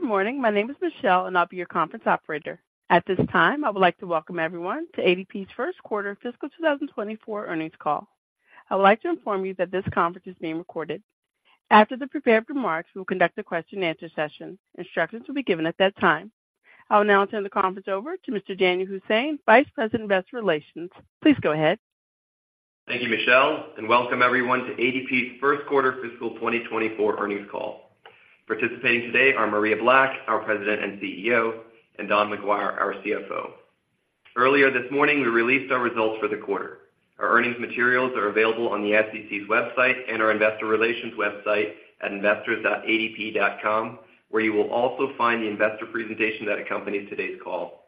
Good morning. My name is Michelle, and I'll be your conference operator. At this time, I would like to welcome everyone to ADP's first quarter fiscal 2024 earnings call. I would like to inform you that this conference is being recorded. After the prepared remarks, we'll conduct a question-and-answer session. Instructions will be given at that time. I'll now turn the conference over to Mr. Danyal Hussain, Vice President, Investor Relations. Please go ahead. Thank you, Michelle, and welcome everyone to ADP's first quarter fiscal 2024 earnings call. Participating today are Maria Black, our President and CEO, and Don McGuire, our CFO. Earlier this morning, we released our results for the quarter. Our earnings materials are available on the SEC's website and our investor relations website at investors.adp.com, where you will also find the investor presentation that accompanies today's call.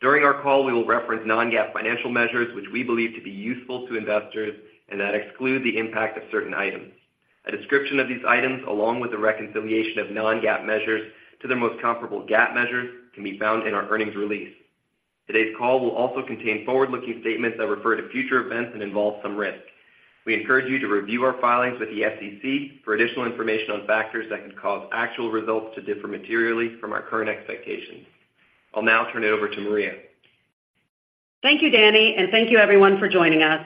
During our call, we will reference non-GAAP financial measures, which we believe to be useful to investors and that exclude the impact of certain items. A description of these items, along with the reconciliation of non-GAAP measures to their most comparable GAAP measures, can be found in our earnings release. Today's call will also contain forward-looking statements that refer to future events and involve some risks. We encourage you to review our filings with the SEC for additional information on factors that could cause actual results to differ materially from our current expectations. I'll now turn it over to Maria. Thank you, Don, and thank you everyone for joining us.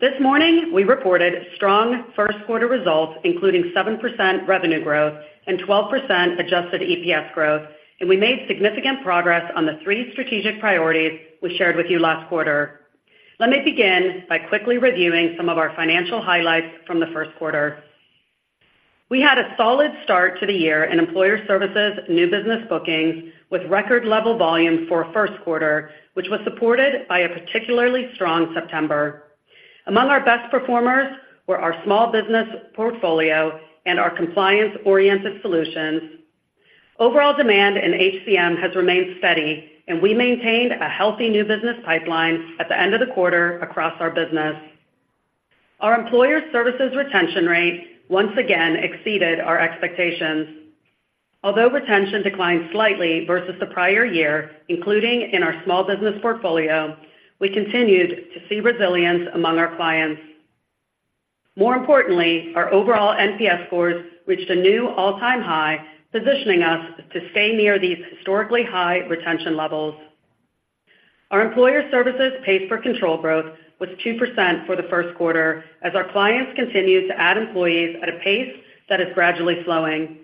This morning, we reported strong first quarter results, including 7% revenue growth and 12% adjusted EPS growth, and we made significant progress on the 3 strategic priorities we shared with you last quarter. Let me begin by quickly reviewing some of our financial highlights from the first quarter. We had a solid start to the year in Employer Services, new business bookings with record level volume for first quarter, which was supported by a particularly strong September. Among our best performers were our small business portfolio and our compliance-oriented solutions. Overall demand in HCM has remained steady, and we maintained a healthy new business pipeline at the end of the quarter across our business. Our Employer Services retention rate once again exceeded our expectations. Although retention declined slightly versus the prior year, including in our small business portfolio, we continued to see resilience among our clients. More importantly, our overall NPS scores reached a new all-time high, positioning us to stay near these historically high retention levels. Our Employer Services pays per control growth was 2% for the first quarter, as our clients continued to add employees at a pace that is gradually slowing,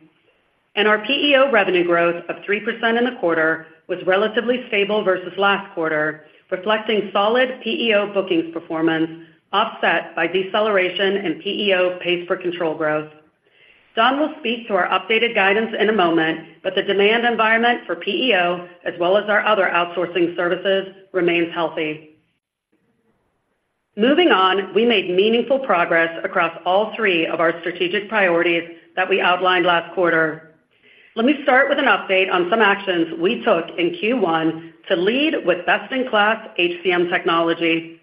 and our PEO revenue growth of 3% in the quarter was relatively stable versus last quarter, reflecting solid PEO bookings performance offset by deceleration in PEO pays per control growth. Don will speak to our updated guidance in a moment, but the demand environment for PEO, as well as our other outsourcing services, remains healthy. Moving on, we made meaningful progress across all three of our strategic priorities that we outlined last quarter. Let me start with an update on some actions we took in Q1 to lead with best-in-class HCM technology.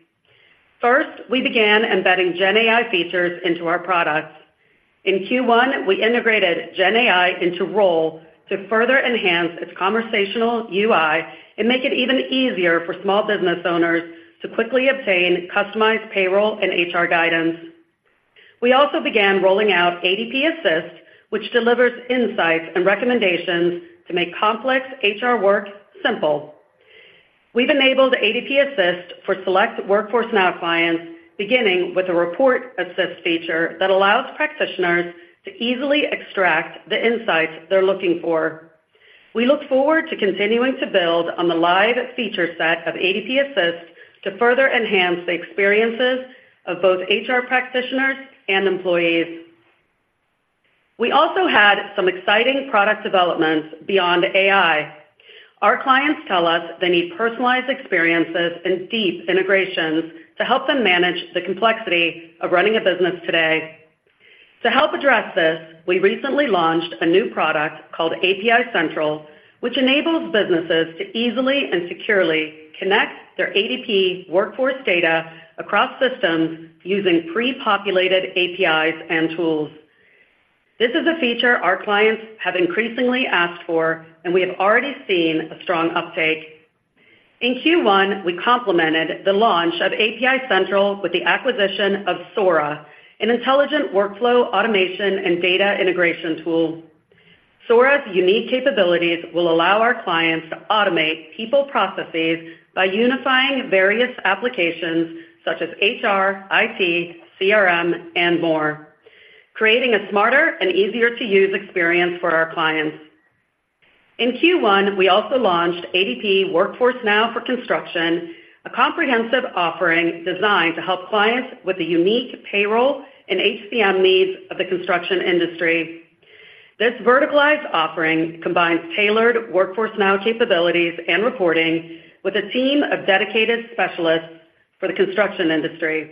First, we began embedding GenAI features into our products. In Q1, we integrated GenAI into Roll to further enhance its conversational UI and make it even easier for small business owners to quickly obtain customized payroll and HR guidance. We also began rolling out ADP Assist, which delivers insights and recommendations to make complex HR work simple. We've enabled ADP Assist for select Workforce Now clients, beginning with a Report Assist feature that allows practitioners to easily extract the insights they're looking for. We look forward to continuing to build on the live feature set of ADP Assist to further enhance the experiences of both HR practitioners and employees. We also had some exciting product developments beyond AI. Our clients tell us they need personalized experiences and deep integrations to help them manage the complexity of running a business today. To help address this, we recently launched a new product called API Central, which enables businesses to easily and securely connect their ADP workforce data across systems using pre-populated APIs and tools. This is a feature our clients have increasingly asked for, and we have already seen a strong uptake. In Q1, we complemented the launch of API Central with the acquisition of Sora, an intelligent workflow, automation, and data integration tool. Sora's unique capabilities will allow our clients to automate people processes by unifying various applications such as HR, IT, CRM, and more, creating a smarter and easier-to-use experience for our clients. In Q1, we also launched ADP Workforce Now for Construction, a comprehensive offering designed to help clients with the unique payroll and HCM needs of the construction industry. This verticalized offering combines tailored Workforce Now capabilities and reporting with a team of dedicated specialists for the construction industry.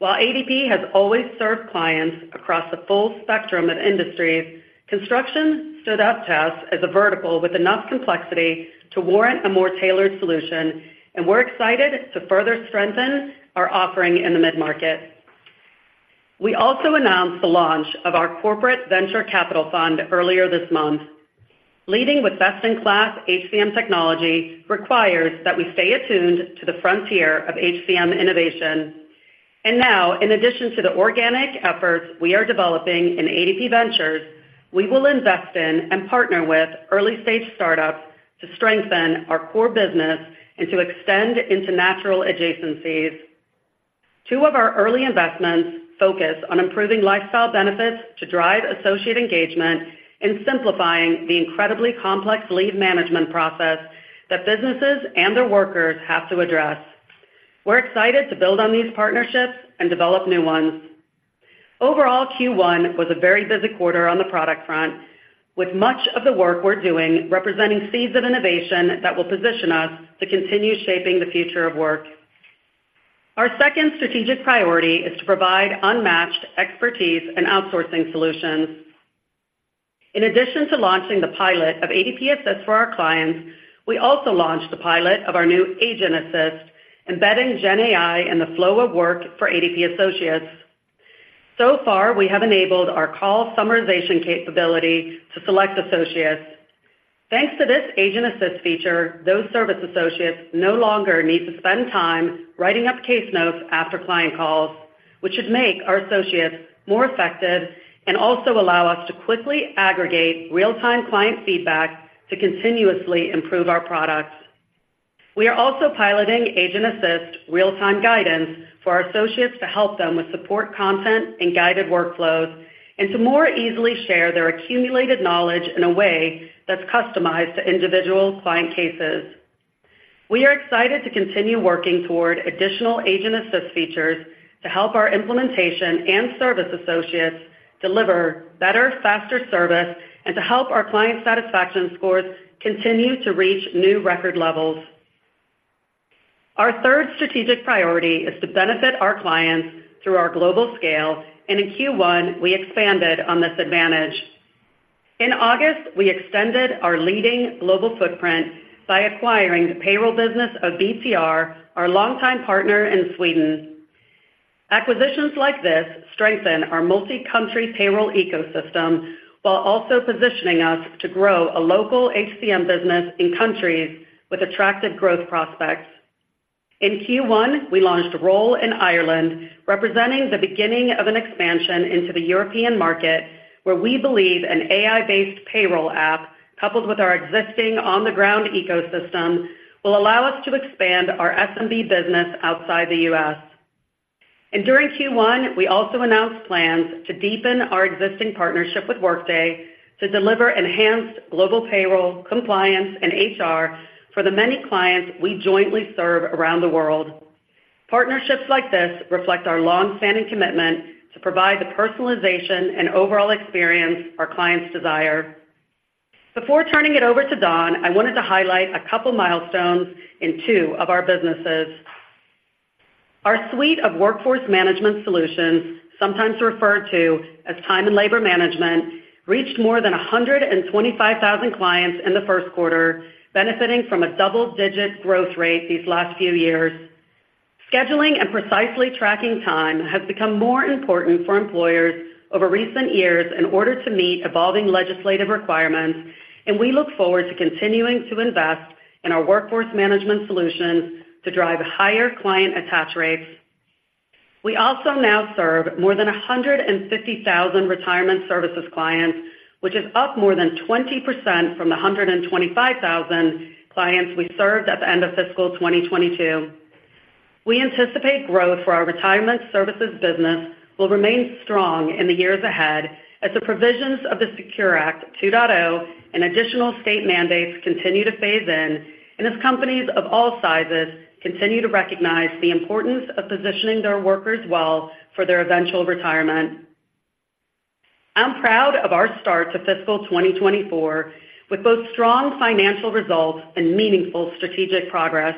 While ADP has always served clients across the full spectrum of industries, construction stood out to us as a vertical with enough complexity to warrant a more tailored solution, and we're excited to further strengthen our offering in the mid-market. We also announced the launch of our corporate venture capital fund earlier this month. Leading with best-in-class HCM technology requires that we stay attuned to the frontier of HCM innovation. And now, in addition to the organic efforts we are developing in ADP Ventures, we will invest in and partner with early-stage startups to strengthen our core business and to extend into natural adjacencies. Two of our early investments focus on improving lifestyle benefits to drive associate engagement and simplifying the incredibly complex leave management process that businesses and their workers have to address. We're excited to build on these partnerships and develop new ones. Overall, Q1 was a very busy quarter on the product front, with much of the work we're doing representing seeds of innovation that will position us to continue shaping the future of work. Our second strategic priority is to provide unmatched expertise and outsourcing solutions. In addition to launching the pilot of ADP Assist for our clients, we also launched the pilot of our new Agent Assist, embedding GenAI in the flow of work for ADP associates. So far, we have enabled our call summarization capability to select associates. Thanks to this Agent Assist feature, those service associates no longer need to spend time writing up case notes after client calls, which should make our associates more effective and also allow us to quickly aggregate real-time client feedback to continuously improve our products. We are also piloting Agent Assist real-time guidance for our associates to help them with support content and guided workflows, and to more easily share their accumulated knowledge in a way that's customized to individual client cases. We are excited to continue working toward additional Agent Assist features to help our implementation and service associates deliver better, faster service and to help our client satisfaction scores continue to reach new record levels. Our third strategic priority is to benefit our clients through our global scale, and in Q1, we expanded on this advantage. In August, we extended our leading global footprint by acquiring the payroll business of BTR, our longtime partner in Sweden. Acquisitions like this strengthen our multi-country payroll ecosystem while also positioning us to grow a local HCM business in countries with attractive growth prospects. In Q1, we launched Roll in Ireland, representing the beginning of an expansion into the European market, where we believe an AI-based payroll app, coupled with our existing on-the-ground ecosystem, will allow us to expand our SMB business outside the U.S. During Q1, we also announced plans to deepen our existing partnership with Workday to deliver enhanced global payroll, compliance, and HR for the many clients we jointly serve around the world. Partnerships like this reflect our longstanding commitment to provide the personalization and overall experience our clients desire. Before turning it over to Don, I wanted to highlight a couple of milestones in two of our businesses. Our suite of workforce management solutions, sometimes referred to as time and labor management, reached more than 125,000 clients in the first quarter, benefiting from a double-digit growth rate these last few years. Scheduling and precisely tracking time has become more important for employers over recent years in order to meet evolving legislative requirements, and we look forward to continuing to invest in our workforce management solutions to drive higher client attach rates. We also now serve more than 150,000 retirement services clients, which is up more than 20% from the 125,000 clients we served at the end of fiscal 2022. We anticipate growth for our retirement services business will remain strong in the years ahead, as the provisions of the SECURE Act 2.0 and additional state mandates continue to phase in, and as companies of all sizes continue to recognize the importance of positioning their workers well for their eventual retirement. I'm proud of our start to fiscal 2024, with both strong financial results and meaningful strategic progress.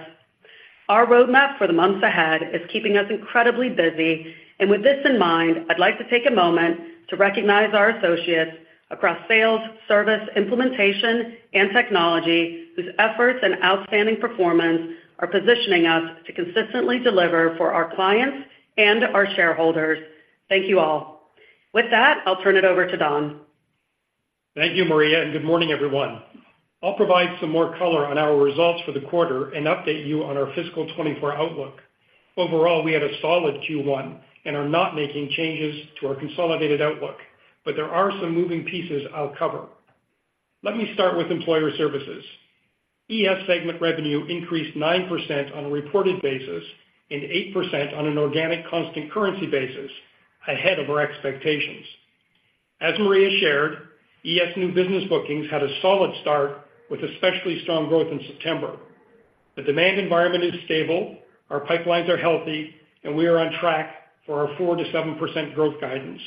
Our roadmap for the months ahead is keeping us incredibly busy, and with this in mind, I'd like to take a moment to recognize our associates across sales, service, implementation, and technology, whose efforts and outstanding performance are positioning us to consistently deliver for our clients and our shareholders. Thank you all. With that, I'll turn it over to Don. Thank you, Maria, and good morning, everyone. I'll provide some more color on our results for the quarter and update you on our fiscal 2024 outlook. Overall, we had a solid Q1 and are not making changes to our consolidated outlook, but there are some moving pieces I'll cover. Let me start with Employer Services. ES segment revenue increased 9% on a reported basis and 8% on an organic constant currency basis, ahead of our expectations. As Maria shared, ES new business bookings had a solid start with especially strong growth in September. The demand environment is stable, our pipelines are healthy, and we are on track for our 4%-7% growth guidance.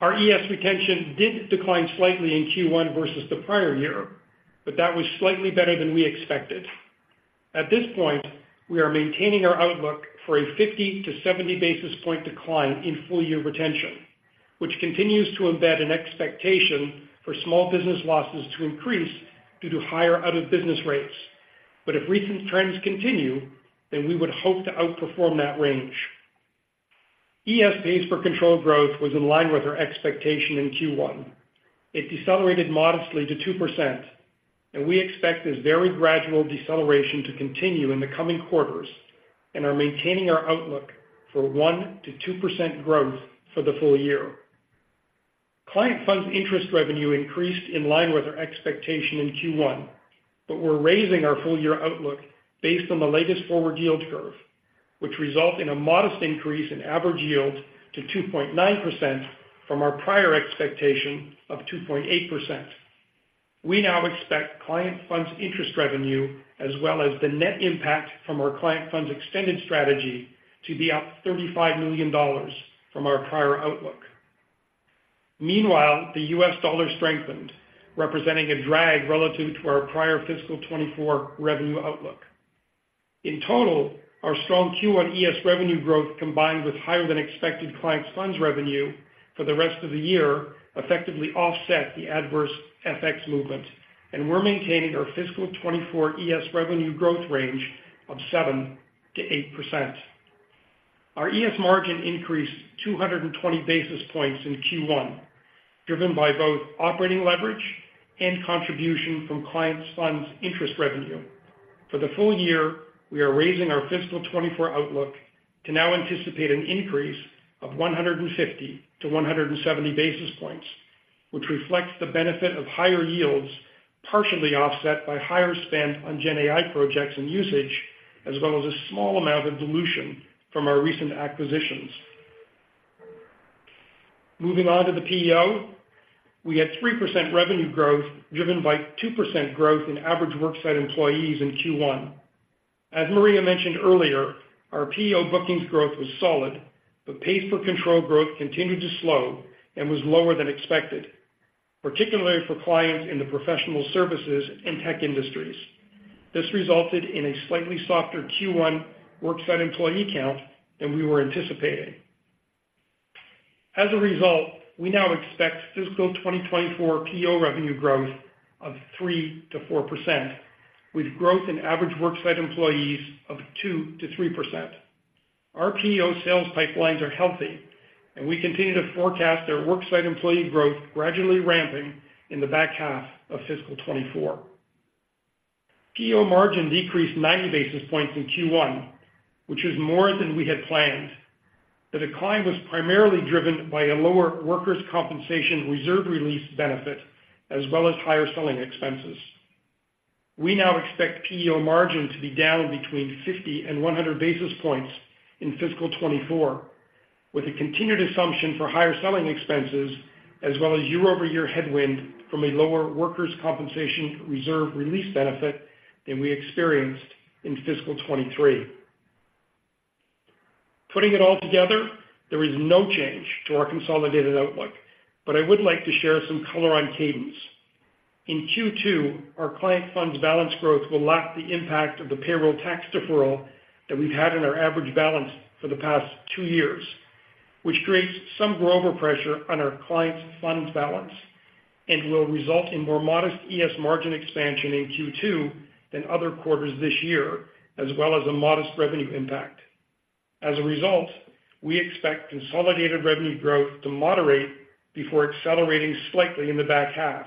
Our ES retention did decline slightly in Q1 versus the prior year, but that was slightly better than we expected. At this point, we are maintaining our outlook for a 50-70 basis point decline in full-year retention, which continues to embed an expectation for small business losses to increase due to higher out-of-business rates. But if recent trends continue, then we would hope to outperform that range... ES pays per control growth was in line with our expectation in Q1. It decelerated modestly to 2%, and we expect this very gradual deceleration to continue in the coming quarters and are maintaining our outlook for 1%-2% growth for the full year. Client funds interest revenue increased in line with our expectation in Q1, but we're raising our full-year outlook based on the latest forward yield curve, which result in a modest increase in average yield to 2.9% from our prior expectation of 2.8%. We now expect client funds interest revenue, as well as the net impact from our client funds extended strategy, to be up $35 million from our prior outlook. Meanwhile, the U.S. dollar strengthened, representing a drag relative to our prior fiscal 2024 revenue outlook. In total, our strong Q1 ES revenue growth, combined with higher than expected client funds revenue for the rest of the year, effectively offset the adverse FX movement, and we're maintaining our fiscal 2024 ES revenue growth range of 7%-8%. Our ES margin increased 220 basis points in Q1, driven by both operating leverage and contribution from client funds interest revenue. For the full year, we are raising our fiscal 2024 outlook to now anticipate an increase of 150-170 basis points, which reflects the benefit of higher yields, partially offset by higher spend on GenAI projects and usage, as well as a small amount of dilution from our recent acquisitions. Moving on to the PEO. We had 3% revenue growth, driven by 2% growth in average worksite employees in Q1. As Maria mentioned earlier, our PEO bookings growth was solid, but Pays for control growth continued to slow and was lower than expected, particularly for clients in the professional services and tech industries. This resulted in a slightly softer Q1 worksite employee count than we were anticipating. As a result, we now expect fiscal 2024 PEO revenue growth of 3%-4%, with growth in average worksite employees of 2%-3%. Our PEO sales pipelines are healthy, and we continue to forecast their worksite employee growth gradually ramping in the back half of fiscal 2024. PEO margin decreased 90 basis points in Q1, which is more than we had planned. The decline was primarily driven by a lower workers' compensation reserve release benefit, as well as higher selling expenses. We now expect PEO margin to be down between 50 and 100 basis points in fiscal 2024, with a continued assumption for higher selling expenses, as well as year-over-year headwind from a lower workers' compensation reserve release benefit than we experienced in fiscal 2023. Putting it all together, there is no change to our consolidated outlook, but I would like to share some color on cadence. In Q2, our client funds balance growth will lack the impact of the payroll tax deferral that we've had in our average balance for the past two years, which creates some greater pressure on our client's funds balance and will result in more modest ES margin expansion in Q2 than other quarters this year, as well as a modest revenue impact. As a result, we expect consolidated revenue growth to moderate before accelerating slightly in the back half,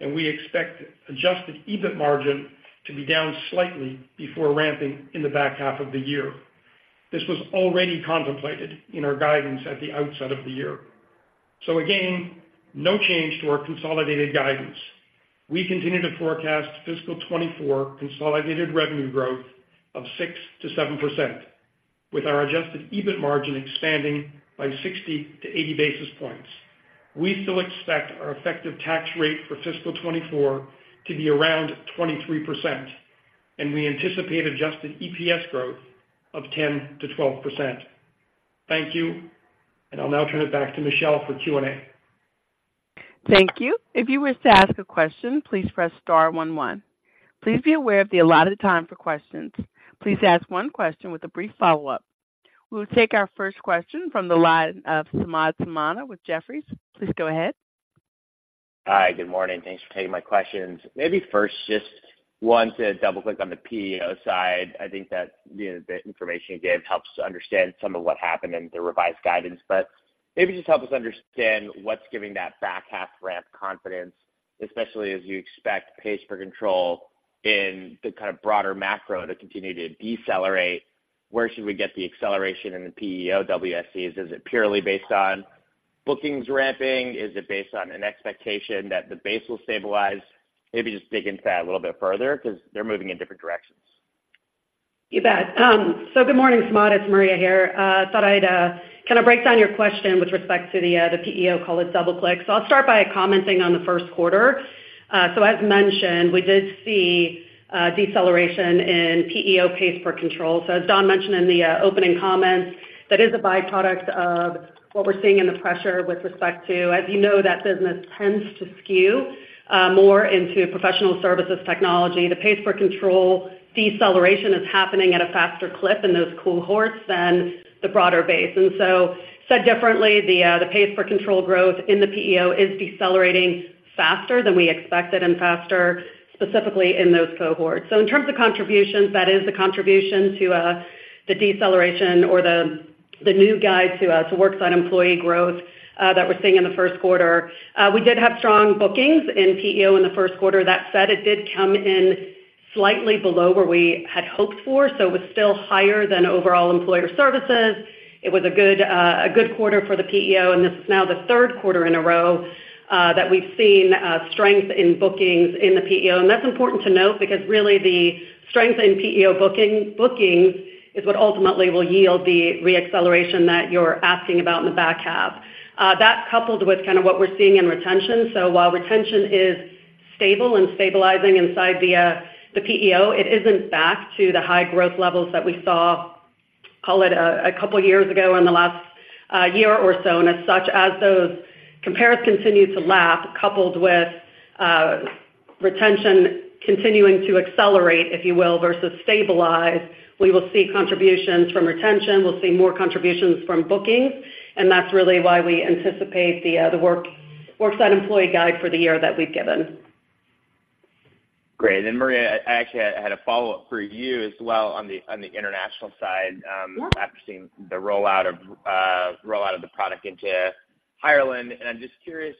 and we expect adjusted EBIT margin to be down slightly before ramping in the back half of the year. This was already contemplated in our guidance at the outset of the year. So again, no change to our consolidated guidance. We continue to forecast fiscal 2024 consolidated revenue growth of 6%-7%, with our adjusted EBIT margin expanding by 60-80 basis points. We still expect our effective tax rate for fiscal 2024 to be around 23%, and we anticipate adjusted EPS growth of 10%-12%. Thank you, and I'll now turn it back to Michelle for Q&A. Thank you. If you wish to ask a question, please press star one, one. Please be aware of the allotted time for questions. Please ask one question with a brief follow-up. We will take our first question from the line of Samad Samana with Jefferies. Please go ahead. Hi, good morning. Thanks for taking my questions. Maybe first, just want to double-click on the PEO side. I think that, you know, the information you gave helps to understand some of what happened in the revised guidance. But maybe just help us understand what's giving that back half ramp confidence, especially as you expect Pays for Control in the kind of broader macro to continue to decelerate? Where should we get the acceleration in the PEO WSEs? Is it purely based on bookings ramping? Is it based on an expectation that the base will stabilize? Maybe just dig into that a little bit further because they're moving in different directions. You bet. Good morning, Samad. It's Maria here. Thought I'd kind of break down your question with respect to the PEO, call it double-click. I'll start by commenting on the first quarter. As mentioned, we did see deceleration in PEO Pays for Control. As Don mentioned in the opening comments, that is a byproduct of what we're seeing in the pressure with respect to... As you know, that business tends to skew more into professional services technology. The Pays for Control deceleration is happening at a faster clip in those cohorts than the broader base. And so said differently, the Pays for Control growth in the PEO is decelerating faster than we expected and faster specifically in those cohorts. In terms of contributions, that is the contribution to the deceleration or the-... the new guide to worksite employee growth that we're seeing in the first quarter. We did have strong bookings in PEO in the first quarter. That said, it did come in slightly below where we had hoped for, so it was still higher than overall Employer Services. It was a good quarter for the PEO, and this is now the third quarter in a row that we've seen strength in bookings in the PEO. And that's important to note because really the strength in PEO booking, bookings is what ultimately will yield the re-acceleration that you're asking about in the back half. That coupled with kind of what we're seeing in retention. So while retention is stable and stabilizing inside the PEO, it isn't back to the high growth levels that we saw, call it a couple of years ago in the last year or so. As such, as those compares continue to lap, coupled with retention continuing to accelerate, if you will, versus stabilize, we will see contributions from retention. We'll see more contributions from bookings, and that's really why we anticipate the worksite employee guidance for the year that we've given. Great. And Maria, I actually had a follow-up for you as well on the international side- Yeah. After seeing the rollout of the product into Ireland. I'm just curious,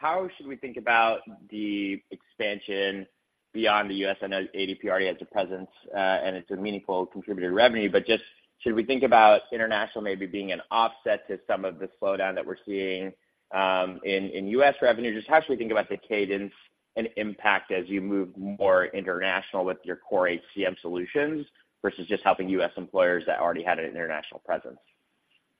how should we think about the expansion beyond the U.S.? I know ADP already has a presence, and it's a meaningful contributor to revenue, but just should we think about international maybe being an offset to some of the slowdown that we're seeing in U.S. revenue? Just how should we think about the cadence and impact as you move more international with your core HCM solutions versus just helping U.S. employers that already had an international presence?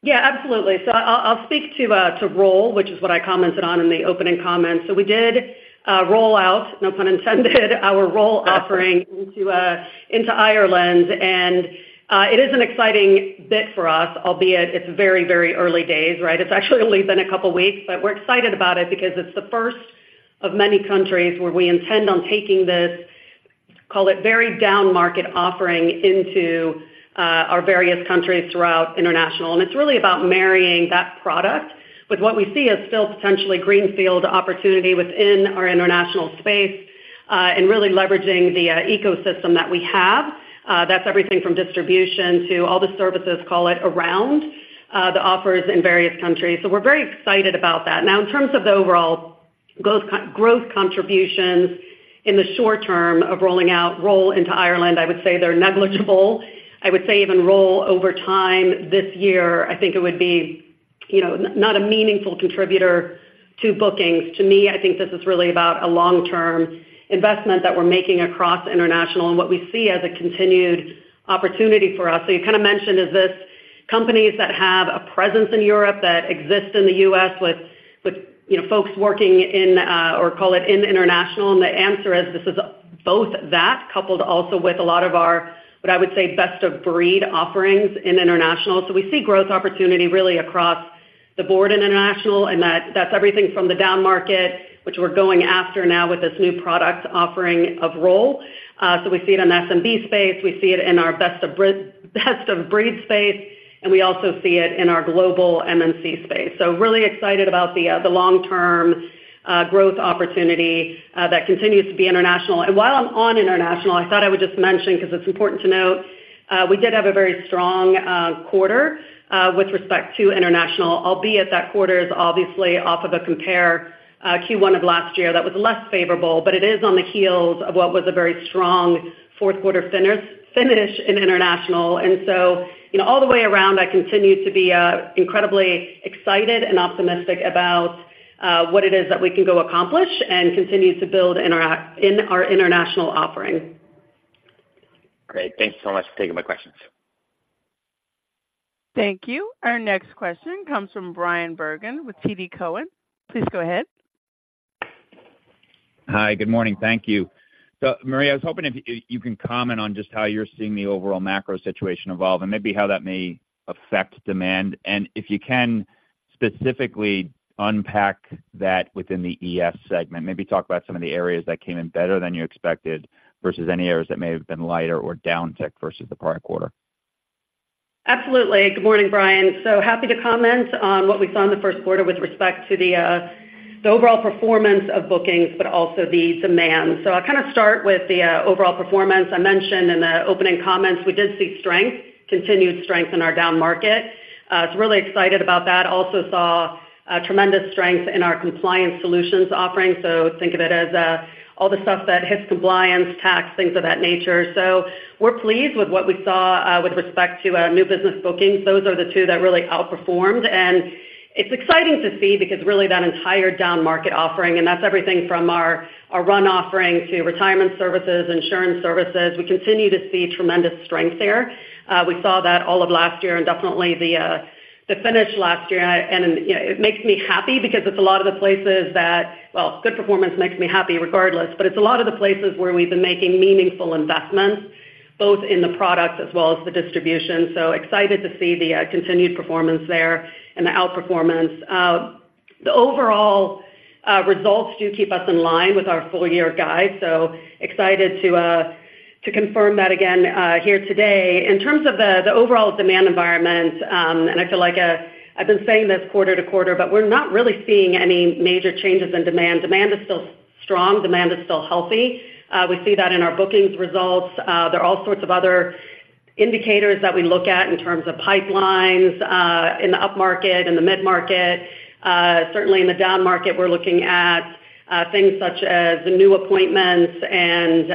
Yeah, absolutely. So I'll, I'll speak to Roll, which is what I commented on in the opening comments. So we did roll out, no pun intended, our Roll offering into Ireland, and it is an exciting bit for us, albeit it's very, very early days, right? It's actually only been a couple of weeks, but we're excited about it because it's the first of many countries where we intend on taking this, call it, very down market offering into our various countries throughout international. And it's really about marrying that product with what we see as still potentially greenfield opportunity within our international space, and really leveraging the ecosystem that we have. That's everything from distribution to all the services, call it, around the offers in various countries. So we're very excited about that. Now, in terms of the overall growth contributions in the short term of rolling out Roll into Ireland, I would say they're negligible. I would say even Roll over time this year, I think it would be, you know, not a meaningful contributor to bookings. To me, I think this is really about a long-term investment that we're making across international and what we see as a continued opportunity for us. So you kind of mentioned, is this companies that have a presence in Europe, that exist in the U.S. with, you know, folks working in, or call it in international? And the answer is, this is both that, coupled also with a lot of our, what I would say, best-of-breed offerings in international. So we see growth opportunity really across the board, international, and that's everything from the down market, which we're going after now with this new product offering of Roll. So we see it in SMB space, we see it in our best of breed space, and we also see it in our global MNC space. So really excited about the long-term growth opportunity that continues to be international. And while I'm on international, I thought I would just mention, because it's important to note, we did have a very strong quarter with respect to international, albeit that quarter is obviously off of a compare, Q1 of last year. That was less favorable, but it is on the heels of what was a very strong fourth quarter finish in international. You know, all the way around, I continue to be incredibly excited and optimistic about what it is that we can go accomplish and continue to build in our international offerings. Great. Thank you so much for taking my questions. Thank you. Our next question comes from Bryan Bergin with TD Cowen. Please go ahead. Hi, good morning. Thank you. So Maria, I was hoping if you can comment on just how you're seeing the overall macro situation evolve and maybe how that may affect demand, and if you can specifically unpack that within the ES segment, maybe talk about some of the areas that came in better than you expected versus any areas that may have been lighter or downticked versus the prior quarter. Absolutely. Good morning, Brian. So happy to comment on what we saw in the first quarter with respect to the overall performance of bookings, but also the demand. So I'll kind of start with the overall performance. I mentioned in the opening comments, we did see strength, continued strength in our down market. So really excited about that. Also saw tremendous strength in our compliance solutions offerings. So think of it as all the stuff that hits compliance, tax, things of that nature. So we're pleased with what we saw with respect to our new business bookings. Those are the two that really outperformed, and it's exciting to see because really that entire downmarket offering, and that's everything from our RUN offerings to retirement services, insurance services, we continue to see tremendous strength there. We saw that all of last year and definitely the finish last year, and, you know, it makes me happy because it's a lot of the places where we've been making meaningful investments, both in the product as well as the distribution. So excited to see the continued performance there and the outperformance. The overall results do keep us in line with our full-year guide, so excited to confirm that again here today. In terms of the overall demand environment, and I feel like I've been saying this quarter to quarter, but we're not really seeing any major changes in demand. Demand is still strong, demand is still healthy. We see that in our bookings results. There are all sorts of other indicators that we look at in terms of pipelines, in the upmarket, in the mid-market. Certainly in the downmarket, we're looking at things such as the new appointments and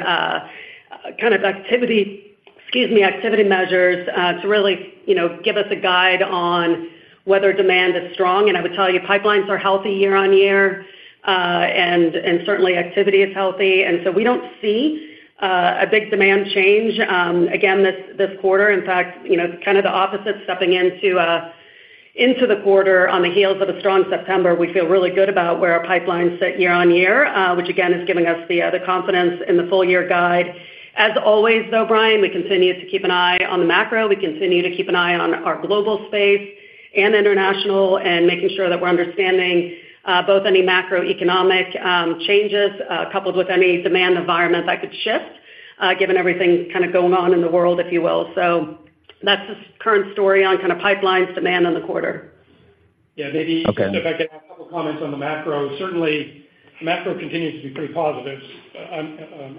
kind of activity, excuse me, activity measures, to really, you know, give us a guide on whether demand is strong. And I would tell you, pipelines are healthy year-on-year, and certainly activity is healthy. And so we don't see a big demand change, again, this quarter. In fact, you know, kind of the opposite, stepping into the quarter on the heels of a strong September. We feel really good about where our pipelines sit year-on-year, which again, is giving us the confidence in the full-year guide. As always, though, Brian, we continue to keep an eye on the macro. We continue to keep an eye on our global space and international, and making sure that we're understanding both any macroeconomic changes coupled with any demand environments that could shift given everything kind of going on in the world, if you will. So that's the current story on kind of pipelines demand in the quarter. Yeah, maybe- Okay. If I could have a couple of comments on the macro. Certainly, macro continues to be pretty positive.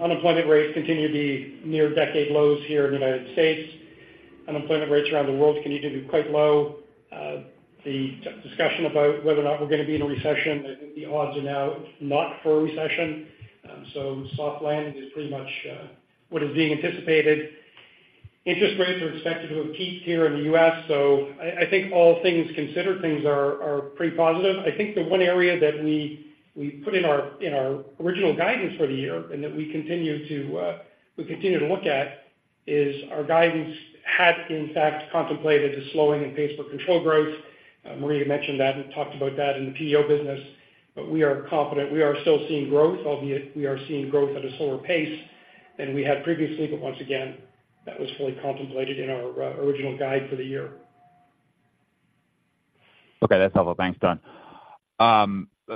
Unemployment rates continue to be near decade lows here in the United States. Unemployment rates around the world continue to be quite low. The discussion about whether or not we're gonna be in a recession, I think the odds are now not for a recession. So soft landing is pretty much what is being anticipated. Interest rates are expected to have peaked here in the U.S., so I, I think all things considered, things are, are pretty positive. I think the one area that we, we put in our, in our original guidance for the year and that we continue to, we continue to look at, is our guidance had, in fact, contemplated a slowing in Pays for Control growth. Maria mentioned that and talked about that in the PEO business, but we are confident we are still seeing growth, albeit we are seeing growth at a slower pace than we had previously. Once again, that was fully contemplated in our original guide for the year. Okay, that's helpful. Thanks, Don.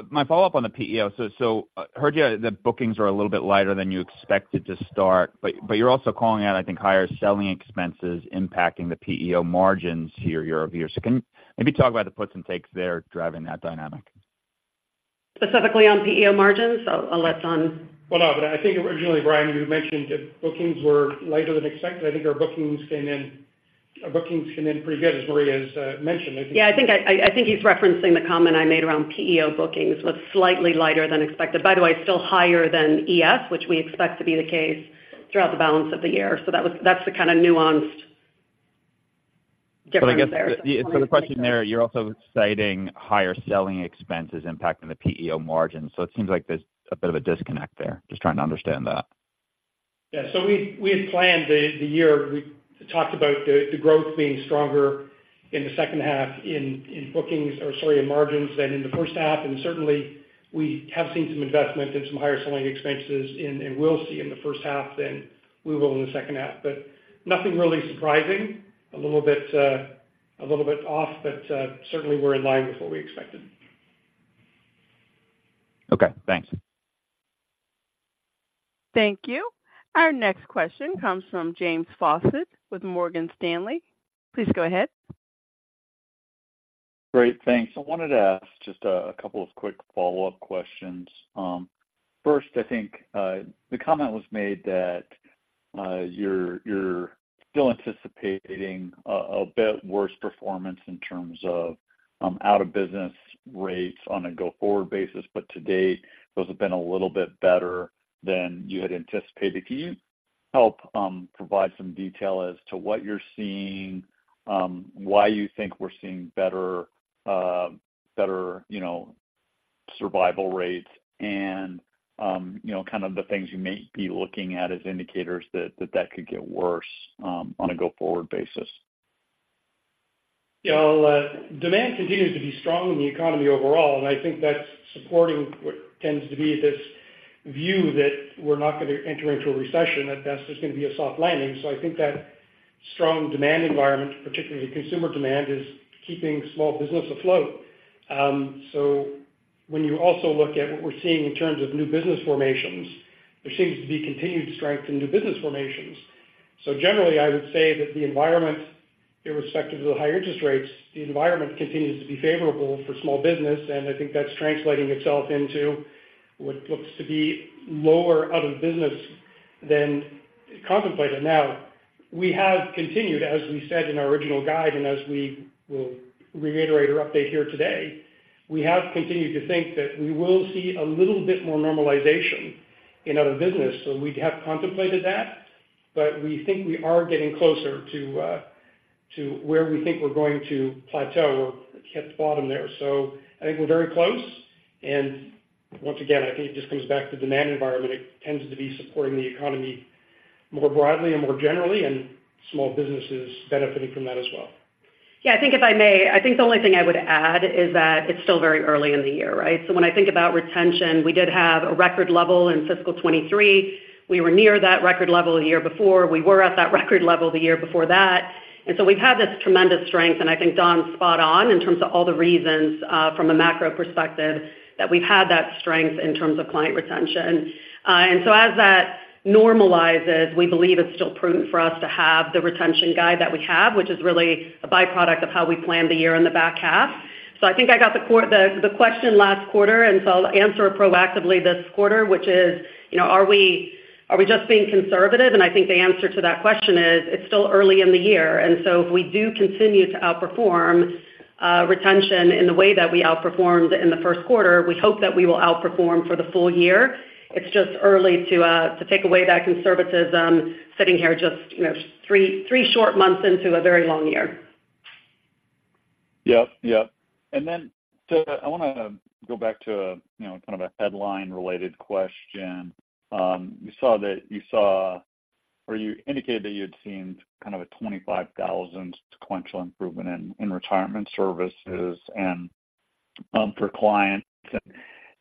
My follow-up on the PEO. So heard you, the bookings are a little bit lighter than you expected to start, but you're also calling out, I think, higher selling expenses impacting the PEO margins year-over-year. So can maybe talk about the puts and takes there, driving that dynamic? Specifically on PEO margins? I'll, I'll let Don. Well, no, but I think originally, Brian, you mentioned that bookings were lighter than expected. I think our bookings came in pretty good, as Maria has mentioned. I think- Yeah, I think he's referencing the comment I made around PEO bookings, was slightly lighter than expected. By the way, still higher than ES, which we expect to be the case throughout the balance of the year. So that was—that's the kind of nuanced difference there. So I guess, so the question there, you're also citing higher selling expenses impacting the PEO margin. So it seems like there's a bit of a disconnect there. Just trying to understand that. Yeah. So we had planned the year. We talked about the growth being stronger in the second half in bookings or, sorry, in margins than in the first half. And certainly, we have seen some investment and some higher selling expenses and will see in the first half than we will in the second half. But nothing really surprising. A little bit, a little bit off, but certainly we're in line with what we expected. Okay, thanks. Thank you. Our next question comes from James Faucette with Morgan Stanley. Please go ahead. Great, thanks. I wanted to ask just a couple of quick follow-up questions. First, I think the comment was made that you're still anticipating a bit worse performance in terms of out-of-business rates on a go-forward basis, but to date, those have been a little bit better than you had anticipated. Can you help provide some detail as to what you're seeing, why you think we're seeing better better, you know, survival rates and, you know, kind of the things you may be looking at as indicators that could get worse on a go-forward basis? Yeah, well, demand continues to be strong in the economy overall, and I think that's supporting what tends to be this view that we're not gonna enter into a recession, that that's just gonna be a soft landing. So I think that strong demand environment, particularly consumer demand, is keeping small business afloat. So when you also look at what we're seeing in terms of new business formations, there seems to be continued strength in new business formations. So generally, I would say that the environment, irrespective of the higher interest rates, the environment continues to be favorable for small business, and I think that's translating itself into what looks to be lower out of business than contemplated. Now, we have continued, as we said in our original guide, and as we will reiterate or update here today, we have continued to think that we will see a little bit more normalization in other business. So we have contemplated that, but we think we are getting closer to where we think we're going to plateau or hit the bottom there. So I think we're very close, and once again, I think it just comes back to the demand environment. It tends to be supporting the economy more broadly and more generally, and small business is benefiting from that as well. Yeah, I think if I may, I think the only thing I would add is that it's still very early in the year, right? So when I think about retention, we did have a record level in fiscal 2023. We were near that record level the year before. We were at that record level the year before that. And so we've had this tremendous strength, and I think Don's spot on in terms of all the reasons from a macro perspective that we've had that strength in terms of client retention. And so as that normalizes, we believe it's still prudent for us to have the retention guide that we have, which is really a byproduct of how we plan the year in the back half. So I think I got the question last quarter, and so I'll answer it proactively this quarter, which is, you know, are we just being conservative? And I think the answer to that question is, it's still early in the year, and so if we do continue to outperform retention in the way that we outperformed in the first quarter, we hope that we will outperform for the full year. It's just early to take away that conservatism, sitting here just, you know, three short months into a very long year. Yep, yep. And then to, I wanna go back to a, you know, kind of a headline-related question. You saw that you saw, or you indicated that you had seen kind of a 25,000 sequential improvement in retirement services and for clients.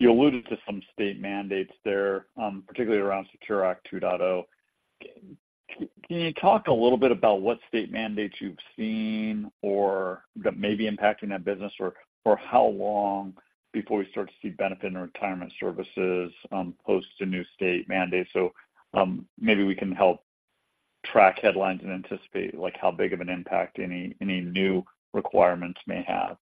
You alluded to some state mandates there, particularly around SECURE Act 2.0. Can you talk a little bit about what state mandates you've seen or that may be impacting that business, or how long before we start to see benefit in retirement services post the new state mandates? So, maybe we can help track headlines and anticipate, like, how big of an impact any new requirements may have?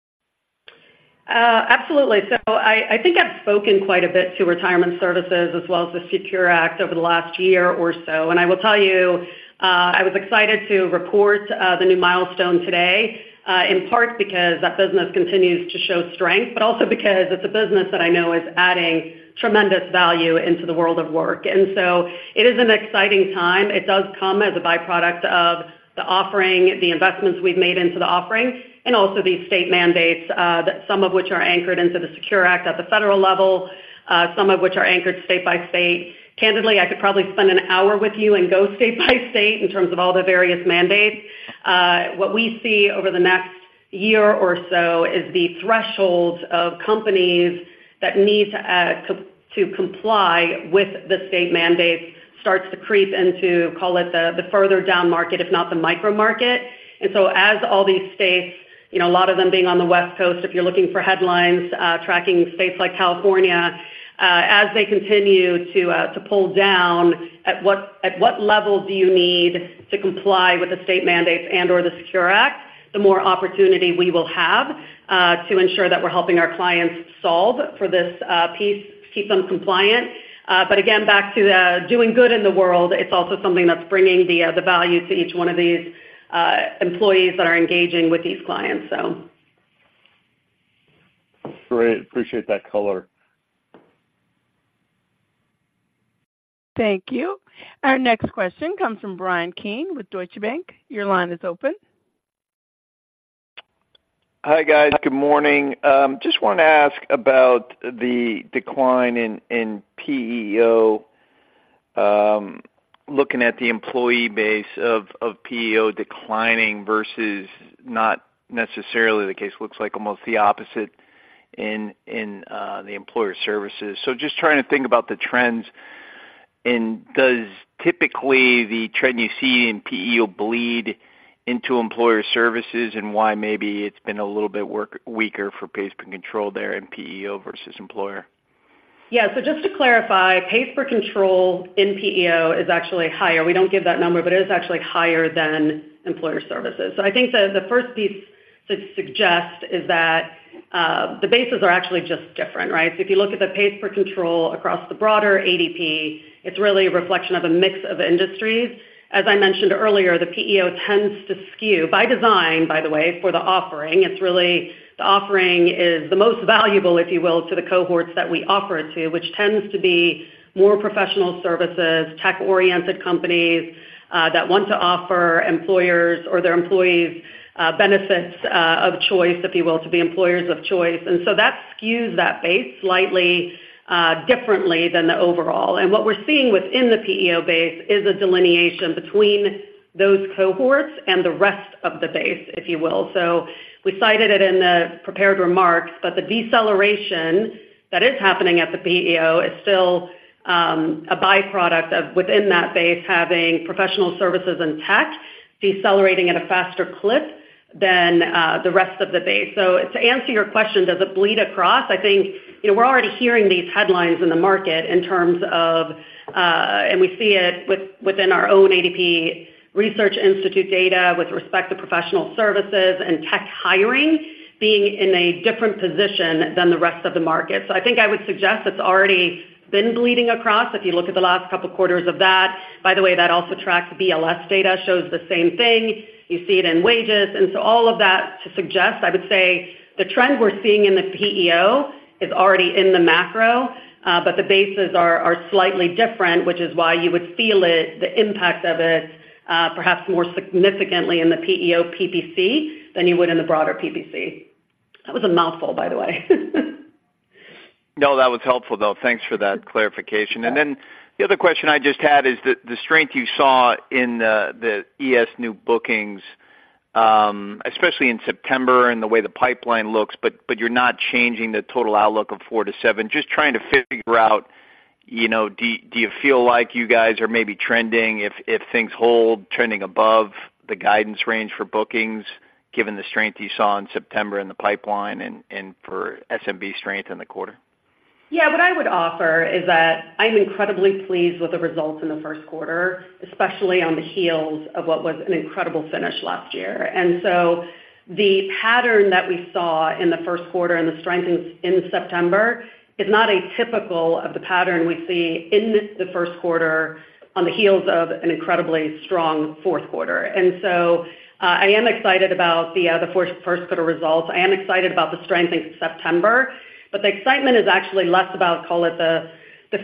Absolutely. So I, I think I've spoken quite a bit to retirement services as well as the SECURE Act over the last year or so. And I will tell you, I was excited to report the new milestone today, in part because that business continues to show strength, but also because it's a business that I know is adding tremendous value into the world of work. And so it is an exciting time. It does come as a byproduct of the offering, the investments we've made into the offering, and also these state mandates, that some of which are anchored into the SECURE Act at the federal level, some of which are anchored state by state. Candidly, I could probably spend an hour with you and go state by state in terms of all the various mandates. What we see over the next year or so is the threshold of companies that need to comply with the state mandates starts to creep into, call it, the further down market, if not the micro market. And so as all these states, you know, a lot of them being on the West Coast, if you're looking for headlines, tracking states like California, as they continue to pull down, at what level do you need to comply with the state mandates and/or the SECURE Act? The more opportunity we will have to ensure that we're helping our clients solve for this piece, keep them compliant. But again, back to doing good in the world, it's also something that's bringing the value to each one of these employees that are engaging with these clients, so. Great. Appreciate that color. Thank you. Our next question comes from Bryan Keane with Deutsche Bank. Your line is open. Hi, guys. Good morning. Just want to ask about the decline in PEO, looking at the employee base of PEO declining versus not necessarily the case. Looks like almost the opposite in the Employer Services. So just trying to think about the trends, and does typically the trend you see in PEO bleed into Employer Services and why maybe it's been a little bit weaker for Pays Per Control there in PEO versus Employer? Yeah. So just to clarify, Pays for control in PEO is actually higher. We don't give that number, but it is actually higher than Employer Services. So I think the first piece to suggest is that the bases are actually just different, right? So if you look at the Pays for control across the broader ADP, it's really a reflection of a mix of industries. As I mentioned earlier, the PEO tends to skew by design, by the way, for the offering. It's really the offering is the most valuable, if you will, to the cohorts that we offer it to, which tends to be more professional services, tech-oriented companies that want to offer employers or their employees benefits of choice, if you will, to be employers of choice. And so that skews that base slightly differently than the overall. And what we're seeing within the PEO base is a delineation between those cohorts and the rest of the base, if you will. So we cited it in the prepared remarks, but the deceleration that is happening at the PEO is still a byproduct of within that base, having professional services and tech decelerating at a faster clip than the rest of the base. So to answer your question, does it bleed across? I think, you know, we're already hearing these headlines in the market in terms of, and we see it within our own ADP Research Institute data with respect to professional services and tech hiring being in a different position than the rest of the market. So I think I would suggest it's already been bleeding across, if you look at the last couple of quarters of that. By the way, that also tracks. BLS data shows the same thing. You see it in wages. And so all of that to suggest, I would say the trend we're seeing in the PEO is already in the macro, but the bases are slightly different, which is why you would feel it, the impact of it, perhaps more significantly in the PEO PPC than you would in the broader PPC. That was a mouthful, by the way. No, that was helpful, though. Thanks for that clarification. And then the other question I just had is the strength you saw in the ES new bookings, especially in September and the way the pipeline looks, but you're not changing the total outlook of 4-7. Just trying to figure out, you know, do you feel like you guys are maybe trending, if things hold, trending above the guidance range for bookings?... given the strength you saw in September in the pipeline and for SMB strength in the quarter? Yeah, what I would offer is that I'm incredibly pleased with the results in the first quarter, especially on the heels of what was an incredible finish last year. The pattern that we saw in the first quarter and the strength in September is not atypical of the pattern we see in the first quarter on the heels of an incredibly strong fourth quarter. I am excited about the first quarter results. I am excited about the strength in September, but the excitement is actually less about, call it, the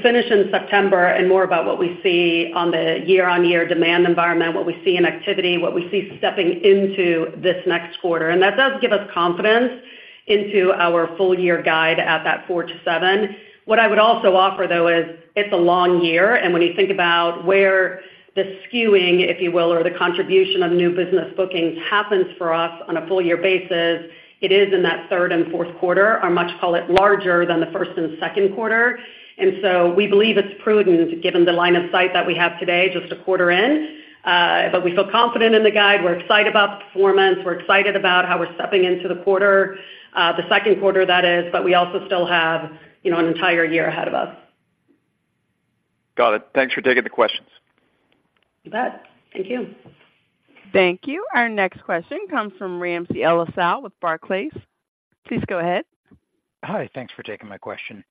finish in September and more about what we see on the year-on-year demand environment, what we see in activity, what we see stepping into this next quarter. That does give us confidence into our full-year guide at that 4-7. What I would also offer, though, is it's a long year, and when you think about where the skewing, if you will, or the contribution of new business bookings happens for us on a full year basis, it is in that third and fourth quarter, are much, call it, larger than the first and second quarter. And so we believe it's prudent, given the line of sight that we have today, just a quarter in. But we feel confident in the guide. We're excited about the performance. We're excited about how we're stepping into the quarter, the second quarter, that is, but we also still have, you know, an entire year ahead of us. Got it. Thanks for taking the questions. You bet. Thank you. Thank you. Our next question comes from Ramsey El-Assal with Barclays. Please go ahead. Hi, thanks for taking my question.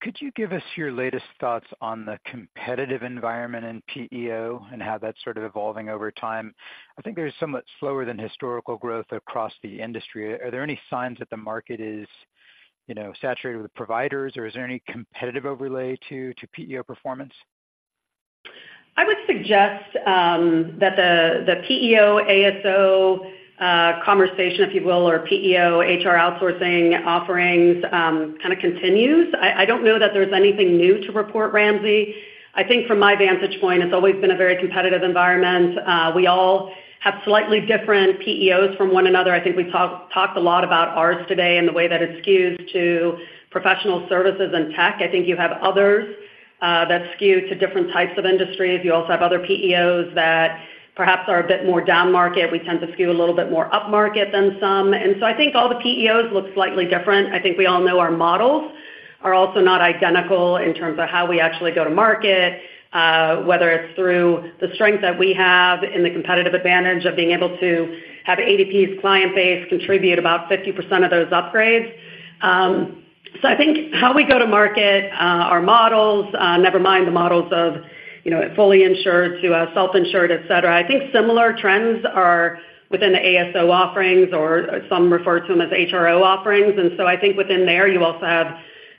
Could you give us your latest thoughts on the competitive environment in PEO and how that's sort of evolving over time? I think there's somewhat slower than historical growth across the industry. Are there any signs that the market is, you know, saturated with providers, or is there any competitive overlay to PEO performance? I would suggest that the PEO, ASO conversation, if you will, or PEO, HR outsourcing offerings kind of continues. I don't know that there's anything new to report, Ramsey. I think from my vantage point, it's always been a very competitive environment. We all have slightly different PEOs from one another. I think we talked a lot about ours today and the way that it skews to professional services and tech. I think you have others that skew to different types of industries. You also have other PEOs that perhaps are a bit more downmarket. We tend to skew a little bit more upmarket than some. And so I think all the PEOs look slightly different. I think we all know our models are also not identical in terms of how we actually go to market, whether it's through the strength that we have and the competitive advantage of being able to have ADP's client base contribute about 50% of those upgrades. So I think how we go to market, our models, never mind the models of, you know, fully insured to self-insured, et cetera. I think similar trends are within the ASO offerings or some refer to them as HRO offerings. And so I think within there, you also have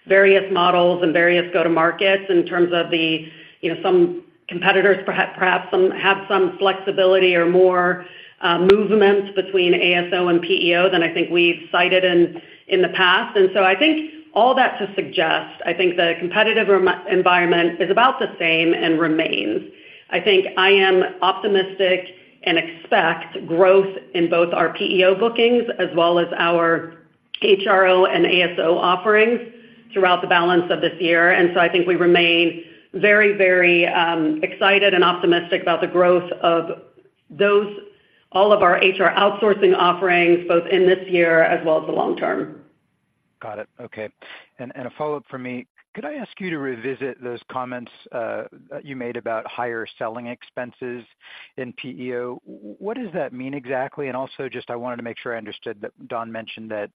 various models and various go-to-markets in terms of the, you know, some competitors, perhaps, perhaps some have some flexibility or more movements between ASO and PEO than I think we've cited in the past. And so I think all that to suggest, I think the competitive environment is about the same and remains. I think I am optimistic and expect growth in both our PEO bookings as well as our HRO and ASO offerings throughout the balance of this year. And so I think we remain very, very, excited and optimistic about the growth of those, all of our HR outsourcing offerings, both in this year as well as the long term. Got it. Okay. And a follow-up for me. Could I ask you to revisit those comments you made about higher selling expenses in PEO? What does that mean exactly? And also just I wanted to make sure I understood that Don mentioned that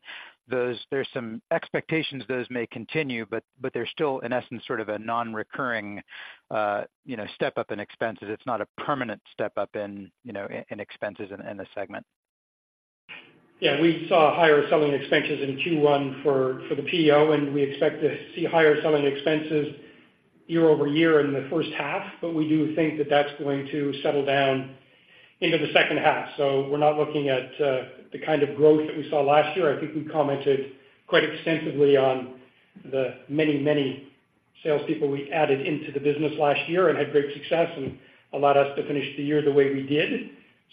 those... There's some expectations those may continue, but they're still, in essence, sort of a nonrecurring, you know, step up in expenses. It's not a permanent step up in, you know, in expenses in the segment. Yeah, we saw higher selling expenses in Q1 for the PEO, and we expect to see higher selling expenses year-over-year in the first half, but we do think that that's going to settle down into the second half. So we're not looking at the kind of growth that we saw last year. I think we commented quite extensively on the many, many salespeople we added into the business last year and had great success and allowed us to finish the year the way we did.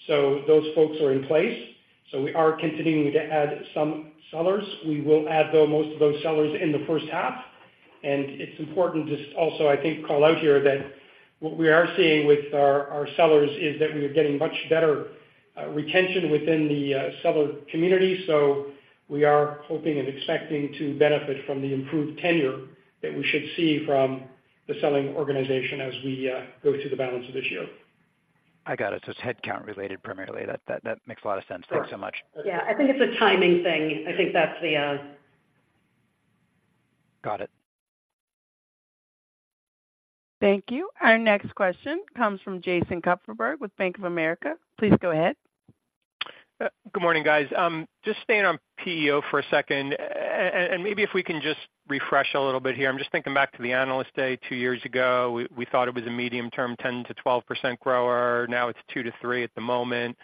So those folks are in place, so we are continuing to add some sellers. We will add, though, most of those sellers in the first half. And it's important just also, I think, call out here that what we are seeing with our sellers is that we are getting much better retention within the seller community. We are hoping and expecting to benefit from the improved tenure that we should see from the selling organization as we go through the balance of this year. I got it. So it's headcount related primarily. That makes a lot of sense. Correct. Thanks so much. Yeah, I think it's a timing thing. I think that's the... Got it. Thank you. Our next question comes from Jason Kupferberg with Bank of America. Please go ahead. Good morning, guys. Just staying on PEO for a second, and maybe if we can just refresh a little bit here. I'm just thinking back to the Analyst Day two years ago. We thought it was a medium-term, 10%-12% grower. Now it's 2%-3% at the moment.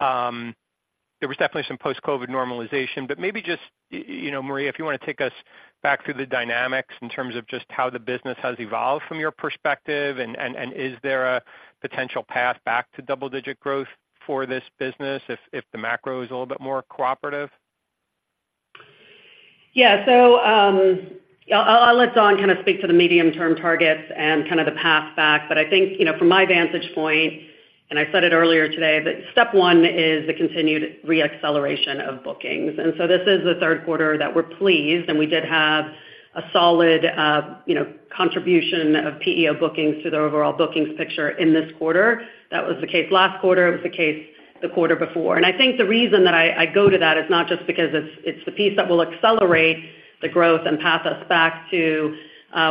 There was definitely some post-COVID normalization, but maybe just you know, Maria, if you want to take us back through the dynamics in terms of just how the business has evolved from your perspective, and is there a potential path back to double-digit growth for this business if the macro is a little bit more cooperative?... Yeah. So, I'll, I'll let Don kind of speak to the medium-term targets and kind of the path back. But I think, you know, from my vantage point, and I said it earlier today, that step one is the continued reacceleration of bookings. And so this is the third quarter that we're pleased, and we did have a solid, you know, contribution of PEO bookings to the overall bookings picture in this quarter. That was the case last quarter. It was the case the quarter before. And I think the reason that I, I go to that is not just because it's, it's the piece that will accelerate the growth and path us back to,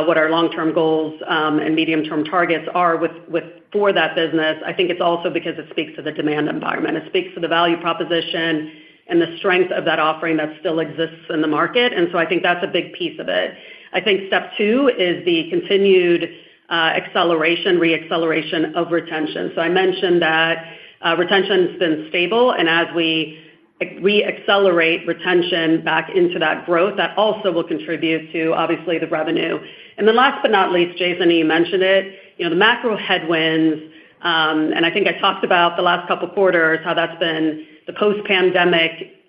what our long-term goals, and medium-term targets are with, with-- for that business. I think it's also because it speaks to the demand environment. It speaks to the value proposition and the strength of that offering that still exists in the market, and so I think that's a big piece of it. I think step two is the continued acceleration, reacceleration of retention. So I mentioned that retention's been stable, and as we accelerate retention back into that growth, that also will contribute to, obviously, the revenue. And then last but not least, Jason, you mentioned it, you know, the macro headwinds, and I think I talked about the last couple of quarters, how that's been the post-pandemic,